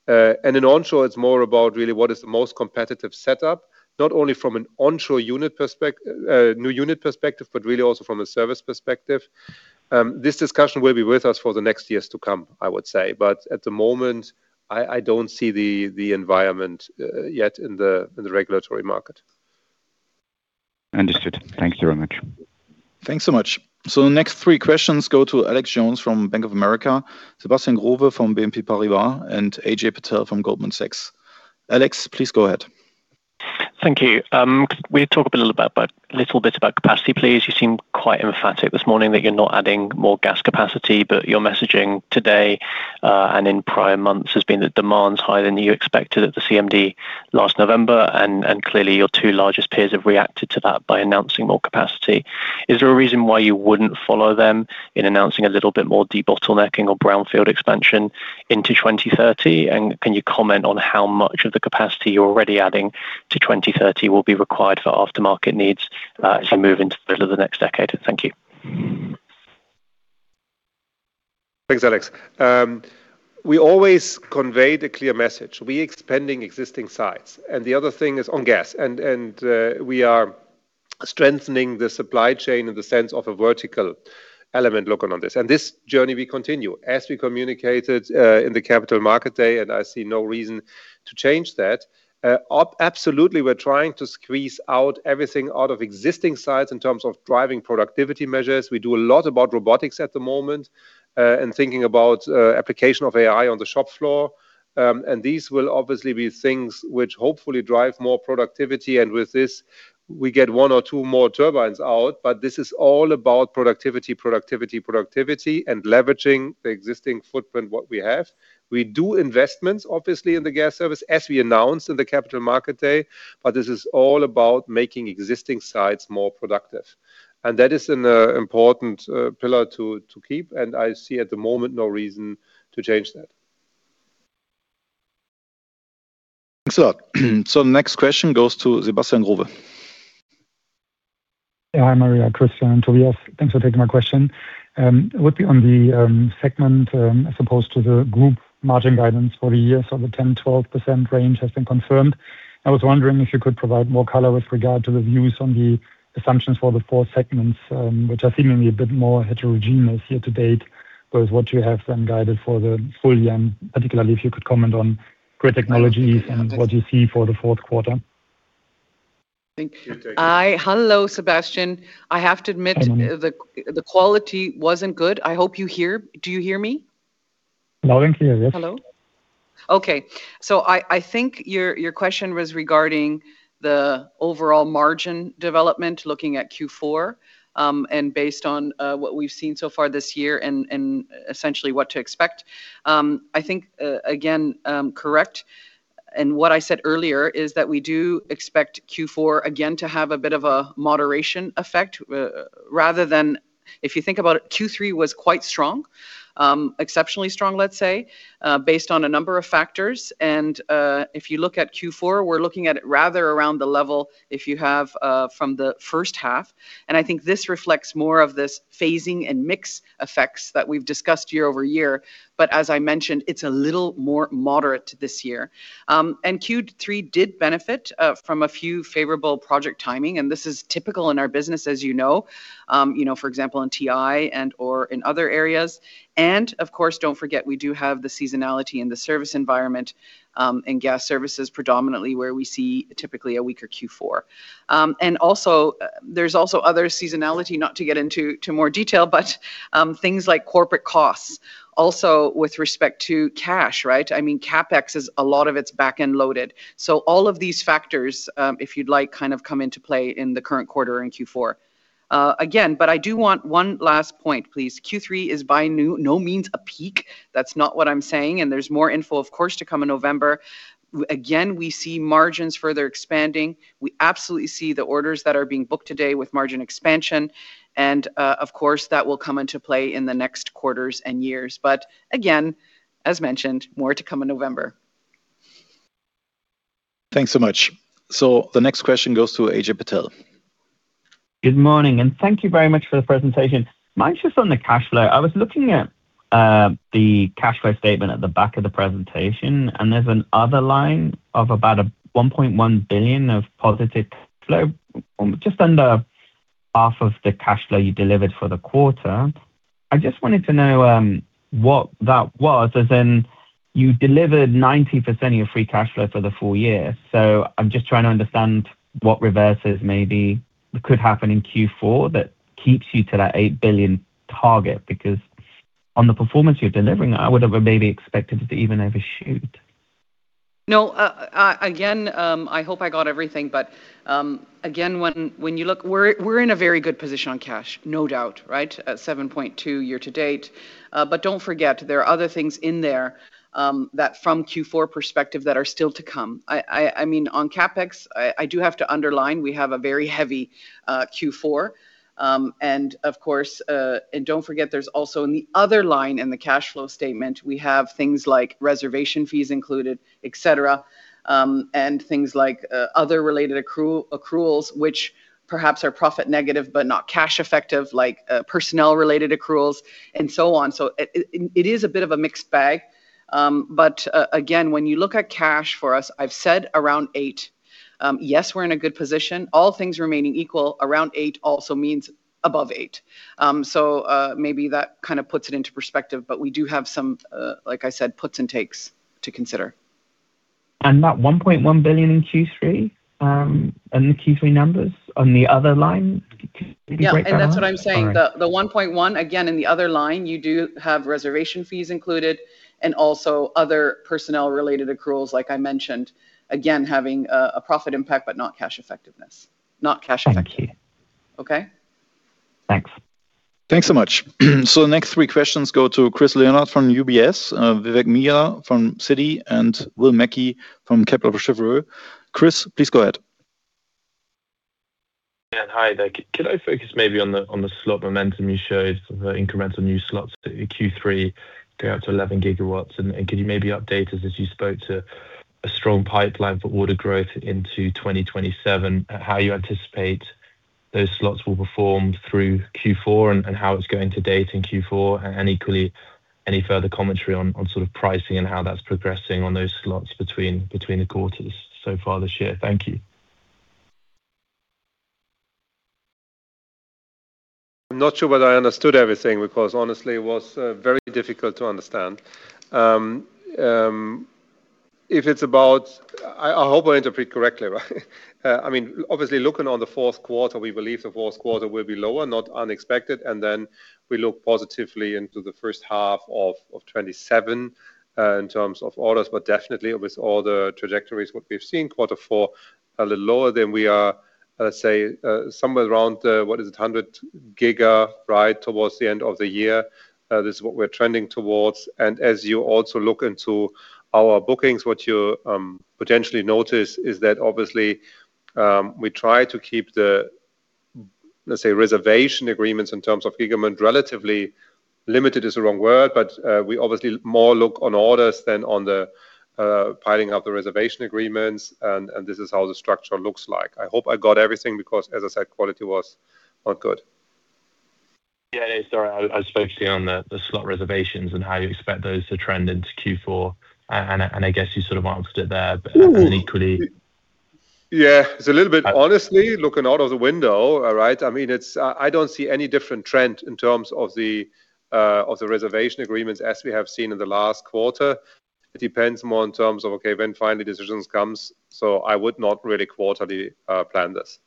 In onshore, it's more about really what is the most competitive setup, not only from a new unit perspective, but really also from a service perspective. This discussion will be with us for the next years to come, I would say. At the moment, I don't see the environment yet in the regulatory market. Understood. Thank you very much. Thanks so much. The next three questions go to Alex Jones from Bank of America, Sebastian Growe from BNP Paribas, and Ajay Patel from Goldman Sachs. Alex, please go ahead. Thank you. Could we talk a little bit about capacity, please? You seem quite emphatic this morning that you're not adding more gas capacity, but your messaging today, and in prior months, has been that demand's higher than you expected at the CMD last November, and clearly your two largest peers have reacted to that by announcing more capacity. Is there a reason why you wouldn't follow them in announcing a little bit more debottlenecking or brownfield expansion into 2030? Can you comment on how much of the capacity you're already adding to 2030 will be required for aftermarket needs as you move into the middle of the next decade? Thank you. Thanks, Alex. We always conveyed a clear message. We expanding existing sites. The other thing is on gas. We are strengthening the supply chain in the sense of a vertical element look on this. This journey we continue, as we communicated, in the Capital Markets Day, and I see no reason to change that. Absolutely, we're trying to squeeze out everything out of existing sites in terms of driving productivity measures. We do a lot about robotics at the moment, and thinking about application of AI on the shop floor. These will obviously be things which hopefully drive more productivity, and with this, we get one or two more turbines out. This is all about productivity, productivity, and leveraging the existing footprint what we have. We do investments, obviously, in the Gas Services, as we announced in the Capital Markets Day, this is all about making existing sites more productive. That is an important pillar to keep, and I see at the moment no reason to change that. Thanks a lot. Next question goes to Sebastian Growe. Hi, Maria, Christian and Tobias. Thanks for taking my question. Would be on the segment, as opposed to the group margin guidance for the year. The 10%-12% range has been confirmed. I was wondering if you could provide more color with regard to the views on the assumptions for the four segments, which are seemingly a bit more heterogeneous year-to-date with what you have then guided for the full year. Particularly, if you could comment on Grid Technologies and what you see for the fourth quarter. I think. Hi. Hello, Sebastian. Hi. I have to admit the quality wasn't good. I hope you hear. Do you hear me? Loud and clear. Yes. Hello? Okay. I think your question was regarding the overall margin development, looking at Q4, and based on what we've seen so far this year and essentially what to expect. I think, again, correct, and what I said earlier is that we do expect Q4 again to have a bit of a moderation effect rather than if you think about it, Q3 was quite strong, exceptionally strong, let's say, based on a number of factors. If you look at Q4, we're looking at it rather around the level if you have from the first half, and I think this reflects more of this phasing and mix effects that we've discussed year-over-year. As I mentioned, it's a little more moderate this year. Q3 did benefit from a few favorable project timing, and this is typical in our business as you know, for example in TI and/or in other areas. Of course, don't forget, we do have the seasonality in the service environment, and Gas Services predominantly where we see typically a weaker Q4. There's also other seasonality, not to get into more detail, but things like corporate costs. Also with respect to cash, right? CapEx, a lot of it's back-end loaded. All of these factors, if you'd like, kind of come into play in the current quarter in Q4. Again, I do want one last point, please. Q3 is by no means a peak. That's not what I'm saying, and there's more info of course to come in November. Again, we see margins further expanding. We absolutely see the orders that are being booked today with margin expansion. Of course, that will come into play in the next quarters and years. Again, as mentioned, more to come in November. Thanks so much. The next question goes to Ajay Patel. Good morning. Thank you very much for the presentation. Mine's just on the cash flow. I was looking at the cash flow statement at the back of the presentation. There's an other line of about 1.1 billion of positive flow, just under half of the cash flow you delivered for the quarter. I just wanted to know what that was, as in you delivered 90% of your free cash flow for the full year. I'm just trying to understand what reverses maybe could happen in Q4 that keeps you to that 8 billion target. On the performance you're delivering, I would have maybe expected to even overshoot. No. Again, I hope I got everything. Again, when you look, we're in a very good position on cash, no doubt, right, at 7.2 billion year-to-date. Don't forget, there are other things in there that from Q4 perspective that are still to come. On CapEx, I do have to underline, we have a very heavy Q4. Don't forget, there's also in the other line in the cash flow statement, we have things like reservation fees included, et cetera, and things like other related accruals, which perhaps are profit negative but not cash effective, like personnel-related accruals and so on. It is a bit of a mixed bag. Again, when you look at cash for us, I've said around 8 billion. Yes, we're in a good position. All things remaining equal, around 8 billion also means above 8 billion. Maybe that kind of puts it into perspective, but we do have some, like I said, puts and takes to consider. That 1.1 billion in Q3, in the Q3 numbers on the other line. Could you break down that? Yeah, that's what I'm saying. All right. The 1.1 billion, again, in the other line, you do have reservation fees included and also other personnel-related accruals like I mentioned, again, having a profit impact but not cash effectiveness. Thank you. Okay? Thanks. Thanks so much. The next three questions go to Chris Leonard from UBS, Vivek Midha from Citi, and Will Mackie from Kepler Cheuvreux. Chris, please go ahead. Yeah. Hi there. Could I focus maybe on the slot momentum you showed for incremental new slots, Q3 go up to 11 GW. Could you maybe update us as you spoke to a strong pipeline for order growth into 2027, how you anticipate those slots will perform through Q4 and how it's going to date in Q4? Equally, any further commentary on sort of pricing and how that's progressing on those slots between the quarters so far this year? Thank you. I'm not sure whether I understood everything, because honestly, it was very difficult to understand. I hope I interpret correctly, right? Obviously, looking on the fourth quarter, we believe the fourth quarter will be lower, not unexpected, then we look positively into the first half of 2027, in terms of orders. Definitely with all the trajectories what we've seen, quarter four a little lower than we are, let's say, somewhere around, what is it, 100 GW, right, towards the end of the year. This is what we're trending towards. As you also look into our bookings, what you potentially notice is that obviously, we try to keep the, let's say, reservation agreements in terms of gigawatt relatively, limited is the wrong word, but we obviously more look on orders than on the piling up the reservation agreements, and this is how the structure looks like. I hope I got everything because, as I said, quality was not good. Yeah, sorry. I was focusing on the slot reservations and how you expect those to trend into Q4, and I guess you sort of answered it there. Equally- Yeah. It's a little bit honestly, looking out of the window, all right, I don't see any different trend in terms of the reservation agreements as we have seen in the last quarter. It depends more in terms of, okay, when final decisions come. I would not really quarterly plan this.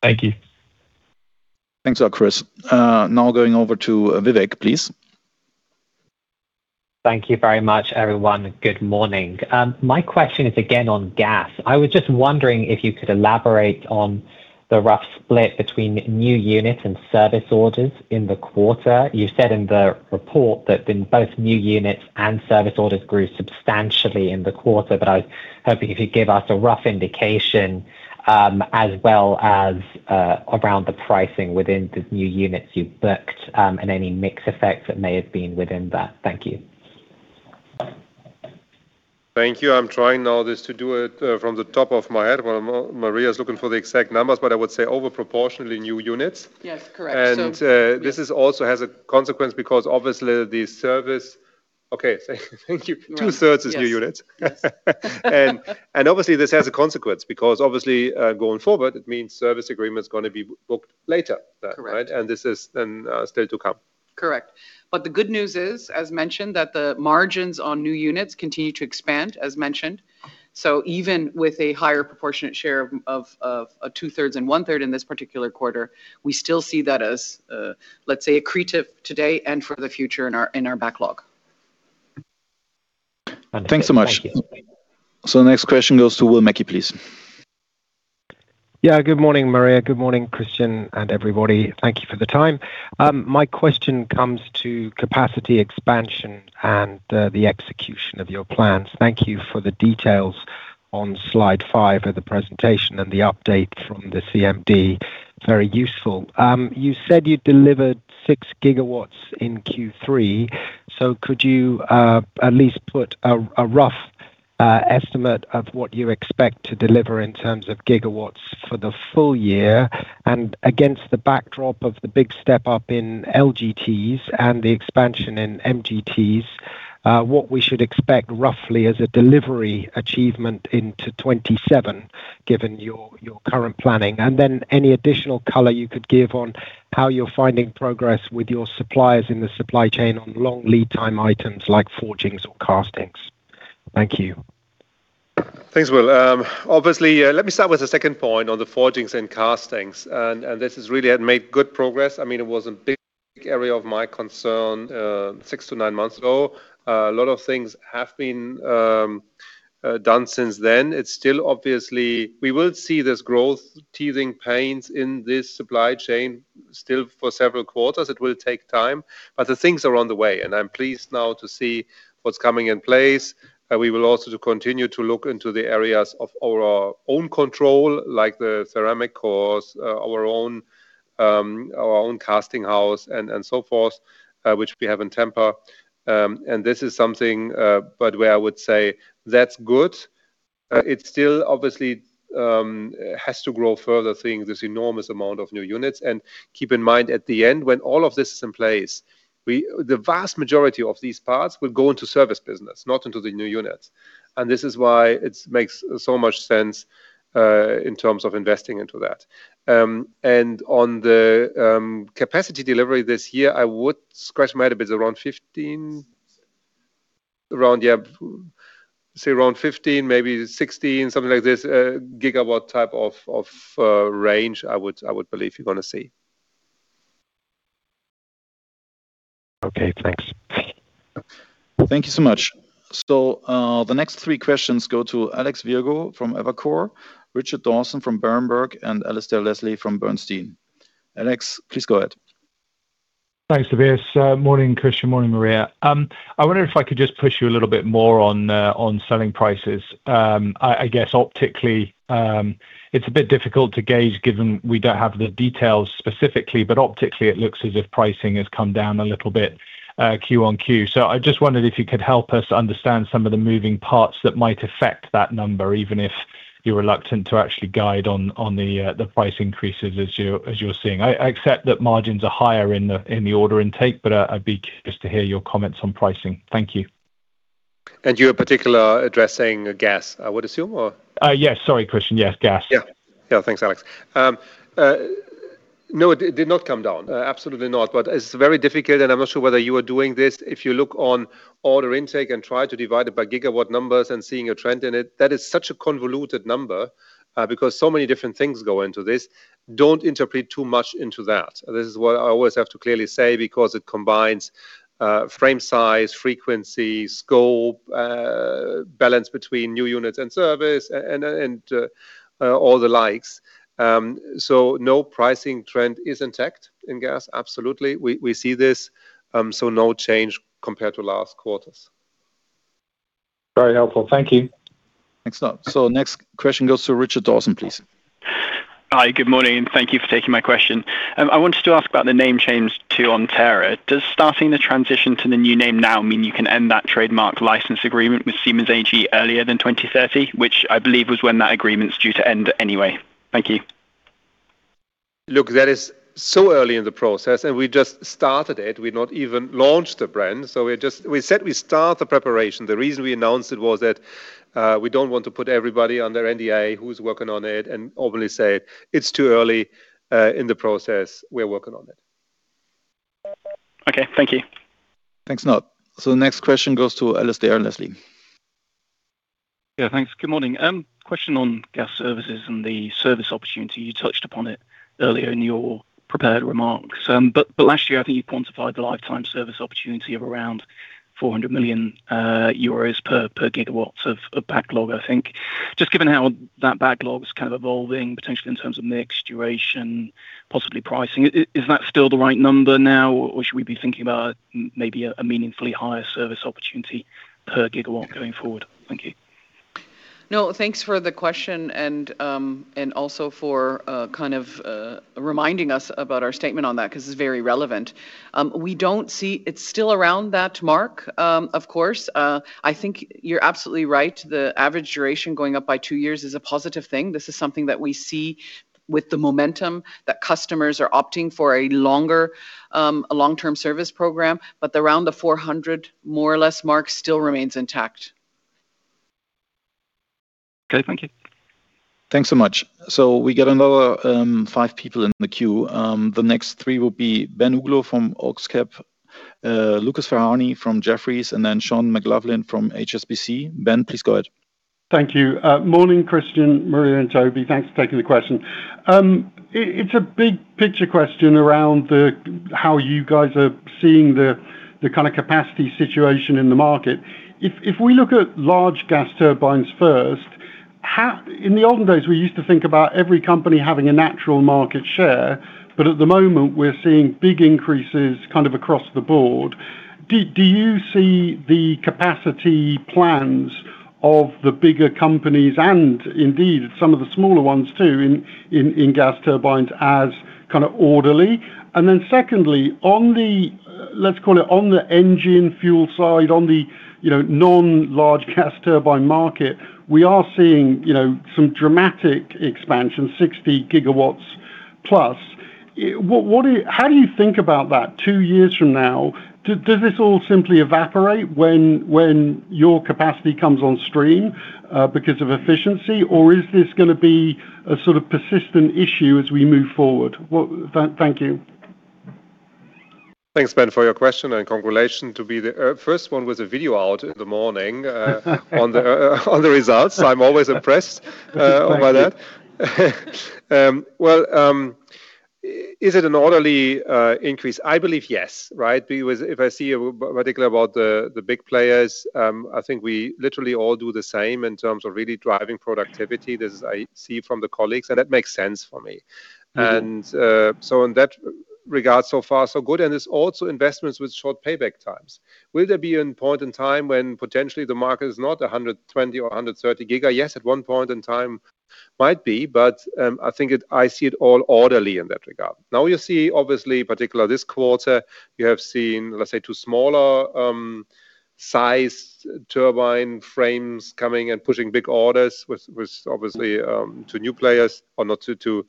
Thank you. Thanks, Chris. Now going over to Vivek, please. Thank you very much, everyone. Good morning. My question is again on gas. I was just wondering if you could elaborate on the rough split between new units and service orders in the quarter. You said in the report that both new units and service orders grew substantially in the quarter. I was hoping if you could give us a rough indication, as well as around the pricing within the new units you've booked, and any mix effects that may have been within that. Thank you. Thank you. I'm trying now just to do it from the top of my head while Maria's looking for the exact numbers, but I would say over proportionally new units. Yes, correct. This also has a consequence because obviously. Okay. Thank you. 2/3 is new units. Yes. Obviously this has a consequence because obviously, going forward, it means service agreement's going to be booked later. Correct. Right. This is then still to come. Correct. The good news is, as mentioned, that the margins on new units continue to expand, as mentioned. Even with a higher proportionate share of 2/3 and 1/3 in this particular quarter, we still see that as, let's say, accretive today and for the future in our backlog. Thanks so much. Thank you. The next question goes to Will Mackie, please. Good morning, Maria. Good morning, Christian, and everybody. Thank you for the time. My question comes to capacity expansion and the execution of your plans. Thank you for the details on slide five of the presentation and the update from the CMD. Very useful. You said you delivered 6 GW in Q3. Could you at least put a rough estimate of what you expect to deliver in terms of gigawatts for the full year, and against the backdrop of the big step up in LGTs and the expansion in MGTs, what we should expect, roughly, as a delivery achievement into 2027, given your current planning. Any additional color you could give on how you're finding progress with your suppliers in the supply chain on long lead time items like forgings or castings. Thank you. Thanks, Will. Obviously, let me start with the second point on the forgings and castings. This has really had made good progress. It was a big area of my concern, six to nine months ago. A lot of things have been done since then. We will see this growth teething pains in this supply chain still for several quarters. It will take time, but the things are on the way, and I'm pleased now to see what's coming in place. We will also continue to look into the areas of our own control, like the ceramic cores, our own casting house and so forth, which we have in Tampa. This is something but where I would say that's good. It still obviously has to grow further seeing this enormous amount of new units. Keep in mind, at the end, when all of this is in place, the vast majority of these parts will go into service business, not into the new units. This is why it makes so much sense in terms of investing into that. On the capacity delivery this year, I would scratch my head, but it's around 15 GW, maybe 16 GW, something like this, gigawatt type of range, I would believe you're going to see. Okay, thanks. Thank you so much. The next three questions go to Alex Virgo from Evercore, Richard Dawson from Berenberg, and Alasdair Leslie from Bernstein. Alex, please go ahead. Thanks, Tobias. Morning, Christian. Morning, Maria. I wonder if I could just push you a little bit more on selling prices. I guess optically, it's a bit difficult to gauge given we don't have the details specifically, but optically it looks as if pricing has come down a little bit QoQ. I just wondered if you could help us understand some of the moving parts that might affect that number, even if you're reluctant to actually guide on the price increases as you're seeing. I accept that margins are higher in the order intake, but I'd be curious to hear your comments on pricing. Thank you. You're particular addressing gas, I would assume, or? Yes. Sorry, Christian. Yes, gas. Yeah. Thanks, Alex. No, it did not come down. Absolutely not. It's very difficult, and I'm not sure whether you are doing this. If you look on order intake and try to divide it by gigawatt numbers and seeing a trend in it, that is such a convoluted number, because so many different things go into this. Don't interpret too much into that. This is what I always have to clearly say because it combines frame size, frequency, scope, balance between new units and service and all the likes. No pricing trend is intact in gas. Absolutely. We see this, so no change compared to last quarters. Very helpful. Thank you. Thanks. Next question goes to Richard Dawson, please. Hi. Good morning. Thank you for taking my question. I wanted to ask about the name change to Omterra. Does starting the transition to the new name now mean you can end that trademark license agreement with Siemens AG earlier than 2030? Which I believe was when that agreement's due to end anyway. Thank you. Look, that is so early in the process. We just started it. We not even launched the brand. We said we start the preparation. The reason we announced it was that we don't want to put everybody under NDA who's working on it and openly say it's too early in the process. We're working on it. Okay. Thank you. Thanks. The next question goes to Alasdair Leslie. Yeah, thanks. Good morning. Question on Gas Services and the service opportunity. You touched upon it earlier in your prepared remarks. Last year, I think you quantified the lifetime service opportunity of around 400 million euros per gigawatts of backlog, I think. Just given how that backlog is kind of evolving, potentially in terms of mix, duration, possibly pricing, is that still the right number now? Or should we be thinking about maybe a meaningfully higher service opportunity per gigawatt going forward? Thank you. Thanks for the question and also for kind of reminding us about our statement on that because it's very relevant. It's still around that mark, of course. I think you're absolutely right. The average duration going up by two years is a positive thing. This is something that we see with the momentum that customers are opting for a long-term service program. Around the 400 million, more or less, mark still remains intact. Okay. Thank you. Thanks so much. We got another five people in the queue. The next three will be Ben Uglow from Oxcap, Lucas Ferhani from Jefferies, Sean McLoughlin from HSBC. Ben, please go ahead. Thank you. Morning, Christian, Maria, and Toby. Thanks for taking the question. It's a big picture question around how you guys are seeing the kind of capacity situation in the market. If we look at large gas turbines first, in the olden days, we used to think about every company having a natural market share. At the moment, we're seeing big increases kind of across the board. Do you see the capacity plans of the bigger companies and indeed some of the smaller ones too, in gas turbines as kind of orderly? Secondly, on the, let's call it on the engine fuel side, on the non-large gas turbine market, we are seeing some dramatic expansion, 60+ GW. How do you think about that two years from now? Does this all simply evaporate when your capacity comes on stream because of efficiency? Is this going to be a sort of persistent issue as we move forward? Thank you. Thanks, Ben, for your question, congratulations to be the first one with a video out in the morning on the results. I'm always impressed by that. Is it an orderly increase? I believe yes. I see particularly about the big players, I think we literally all do the same in terms of really driving productivity. This is I see from the colleagues, that makes sense for me. In that regard, so far so good, it's also investments with short payback times. Will there be a point in time when potentially the market is not 120 GW or 130 GW? Yes, at one point in time might be, I see it all orderly in that regard. You see, obviously, particular this quarter, you have seen, let's say, two smaller sized turbine frames coming and pushing big orders, which obviously to new players or not to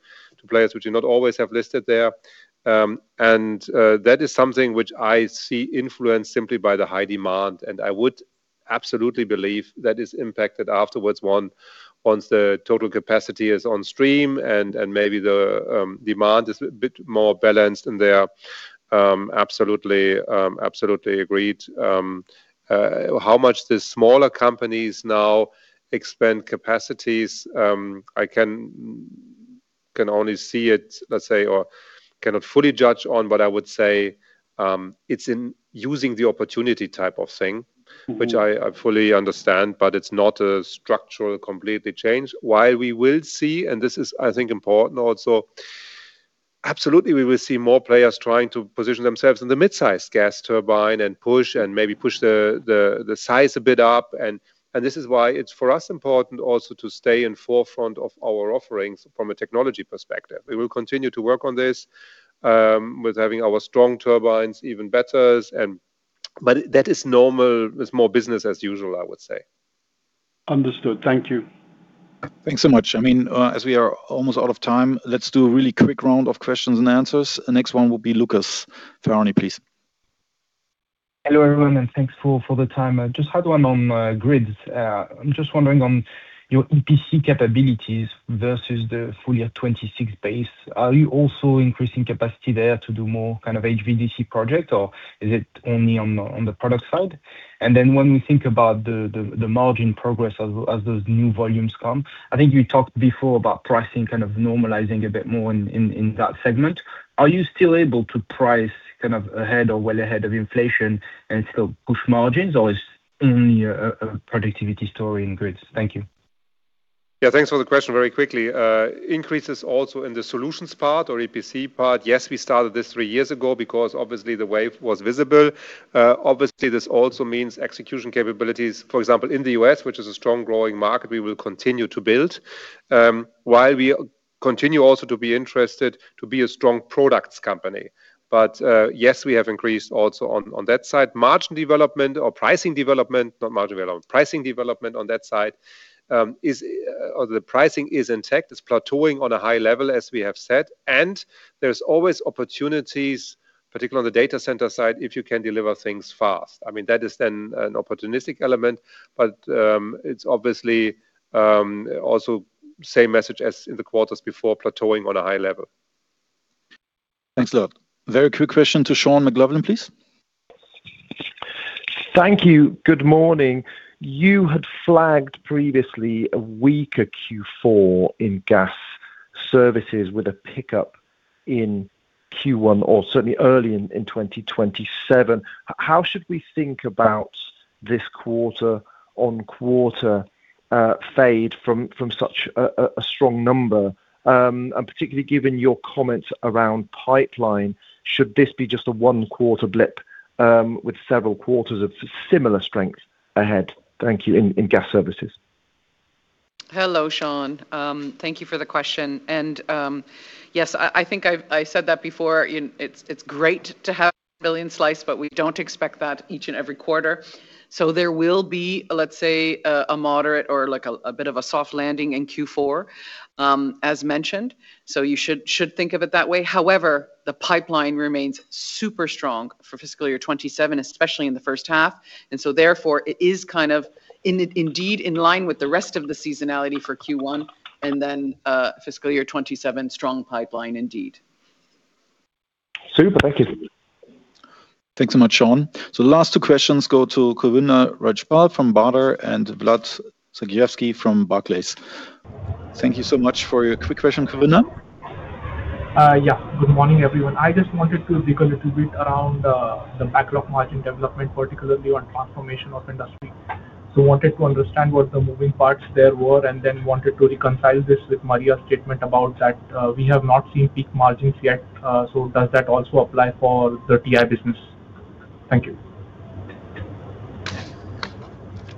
players which are not always have listed there. That is something which I see influenced simply by the high demand, I would absolutely believe that is impacted afterwards once the total capacity is on stream and maybe the demand is a bit more balanced, they are absolutely agreed. How much the smaller companies now expand capacities? I can only see it, let's say, or cannot fully judge on, I would say, it's in using the opportunity type of thing. Which I fully understand, it's not a structural completely change. We will see, and this is, I think, important also, absolutely, we will see more players trying to position themselves in the mid-size gas turbine and maybe push the size a bit up. This is why it's for us important also to stay in forefront of our offerings from a technology perspective. We will continue to work on this, with having our strong turbines even betters, that is normal. It's more business as usual, I would say. Understood. Thank you. Thanks so much. As we are almost out of time, let's do a really quick round of questions and answers. The next one will be Lucas Ferhani, please. Hello, everyone, and thanks for the time. Just had one on grids. I'm just wondering on your EPC capabilities versus the full-year 2026 base. Are you also increasing capacity there to do more kind of HVDC project, or is it only on the product side? When we think about the margin progress as those new volumes come, I think you talked before about pricing kind of normalizing a bit more in that segment. Are you still able to price kind of ahead or well ahead of inflation and still push margins or is only a productivity story in grids? Thank you. Yeah, thanks for the question. Very quickly, increases also in the solutions part or EPC part. Yes, we started this three years ago because obviously the wave was visible. Obviously, this also means execution capabilities, for example, in the U.S., which is a strong growing market we will continue to build, while we continue also to be interested to be a strong products company. Yes, we have increased also on that side. Margin development or pricing development, not margin development, pricing development on that side. The pricing is intact. It's plateauing on a high level, as we have said. There's always opportunities, particularly on the data center side, if you can deliver things fast. That is then an opportunistic element, but it's obviously also same message as in the quarters before plateauing on a high level. Thanks a lot. Very quick question to Sean McLoughlin, please. Thank you. Good morning. You had flagged previously a weaker Q4 in Gas Services with a pickup in Q1 or certainly early in 2027. How should we think about this quarter-on-quarter fade from such a strong number? Particularly given your comments around pipeline, should this be just a one quarter blip with several quarters of similar strength ahead? Thank you. In Gas Services. Hello, Sean. Thank you for the question. Yes, I think I said that before, it's great to have 1+ billion, but we don't expect that each and every quarter. There will be, let's say, a moderate or a bit of a soft landing in Q4, as mentioned. You should think of it that way. However, the pipeline remains super strong for fiscal year 2027, especially in the first half, therefore, it is kind of indeed in line with the rest of the seasonality for Q1 and then fiscal year 2027 strong pipeline indeed. Super. Thank you. Thanks so much, Sean. The last two questions go to [Kulwinder Rajpal] from [inaudible] and Vlad Sergievskiy from Barclays. Thank you so much for your quick question, Kulwinder. Good morning, everyone. I just wanted to dig a little bit around the backlog margin development, particularly on Transformation of Industry. Wanted to understand what the moving parts there were and then wanted to reconcile this with Maria's statement about that we have not seen peak margins yet. Does that also apply for the TI business? Thank you.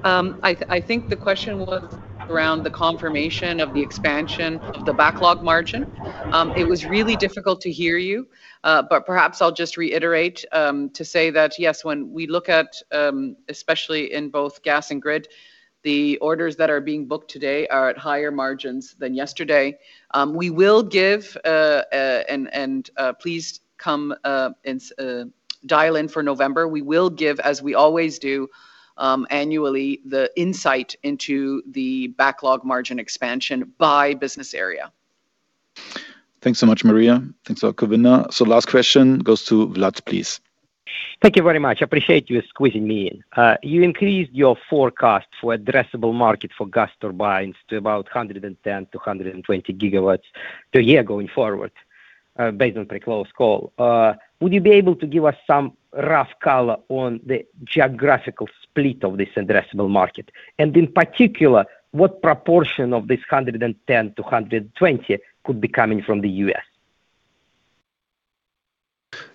I think the question was around the confirmation of the expansion of the backlog margin. It was really difficult to hear you. Perhaps I'll just reiterate to say that yes, when we look at, especially in both gas and grid, the orders that are being booked today are at higher margins than yesterday. We will give, and please come and dial in for November, we will give, as we always do, annually the insight into the backlog margin expansion by business area. Thanks so much, Maria. Thanks a lot, Kulwinder. Last question goes to Vlad, please. Thank you very much. I appreciate you squeezing me in. You increased your forecast for addressable market for gas turbines to about 110 GW-120 GW per year going forward, based on pre-close call. Would you be able to give us some rough color on the geographical split of this addressable market? In particular, what proportion of this 110 GW-120 GW could be coming from the U.S.?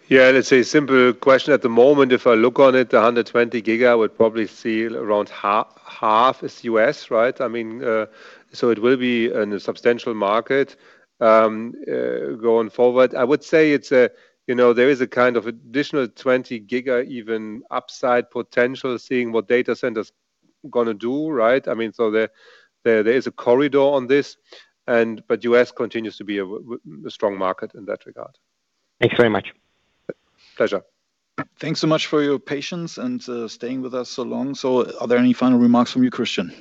Yeah, let's say simple question at the moment. If I look on it, the 120 GW would probably see around half is U.S., right? It will be a substantial market going forward. I would say there is a kind of additional 20 GW even upside potential seeing what data centers going to do, right? There is a corridor on this, but U.S. continues to be a strong market in that regard. Thanks very much. Pleasure. Thanks so much for your patience and staying with us so long. Are there any final remarks from you, Christian?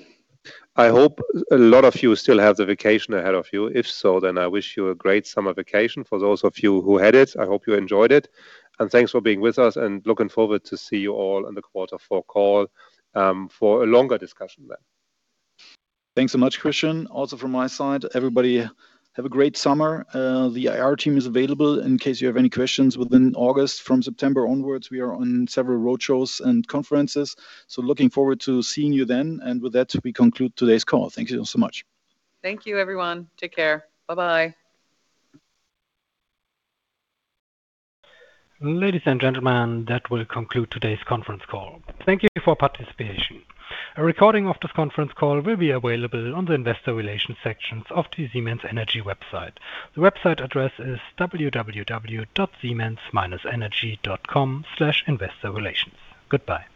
I hope a lot of you still have the vacation ahead of you. If so, I wish you a great summer vacation. For those of you who had it, I hope you enjoyed it. Thanks for being with us, and looking forward to see you all on the quarter four call, for a longer discussion then. Thanks so much, Christian. Also from my side, everybody have a great summer. The IR team is available in case you have any questions within August. From September onwards, we are on several roadshows and conferences, looking forward to seeing you then. With that, we conclude today's call. Thank you so much. Thank you everyone. Take care. Bye-bye. Ladies and gentlemen, that will conclude today's conference call. Thank you for participation. A recording of this conference call will be available on the investor relations sections of the Siemens Energy website. The website address is www.siemens-energy.com/investorrelations. Goodbye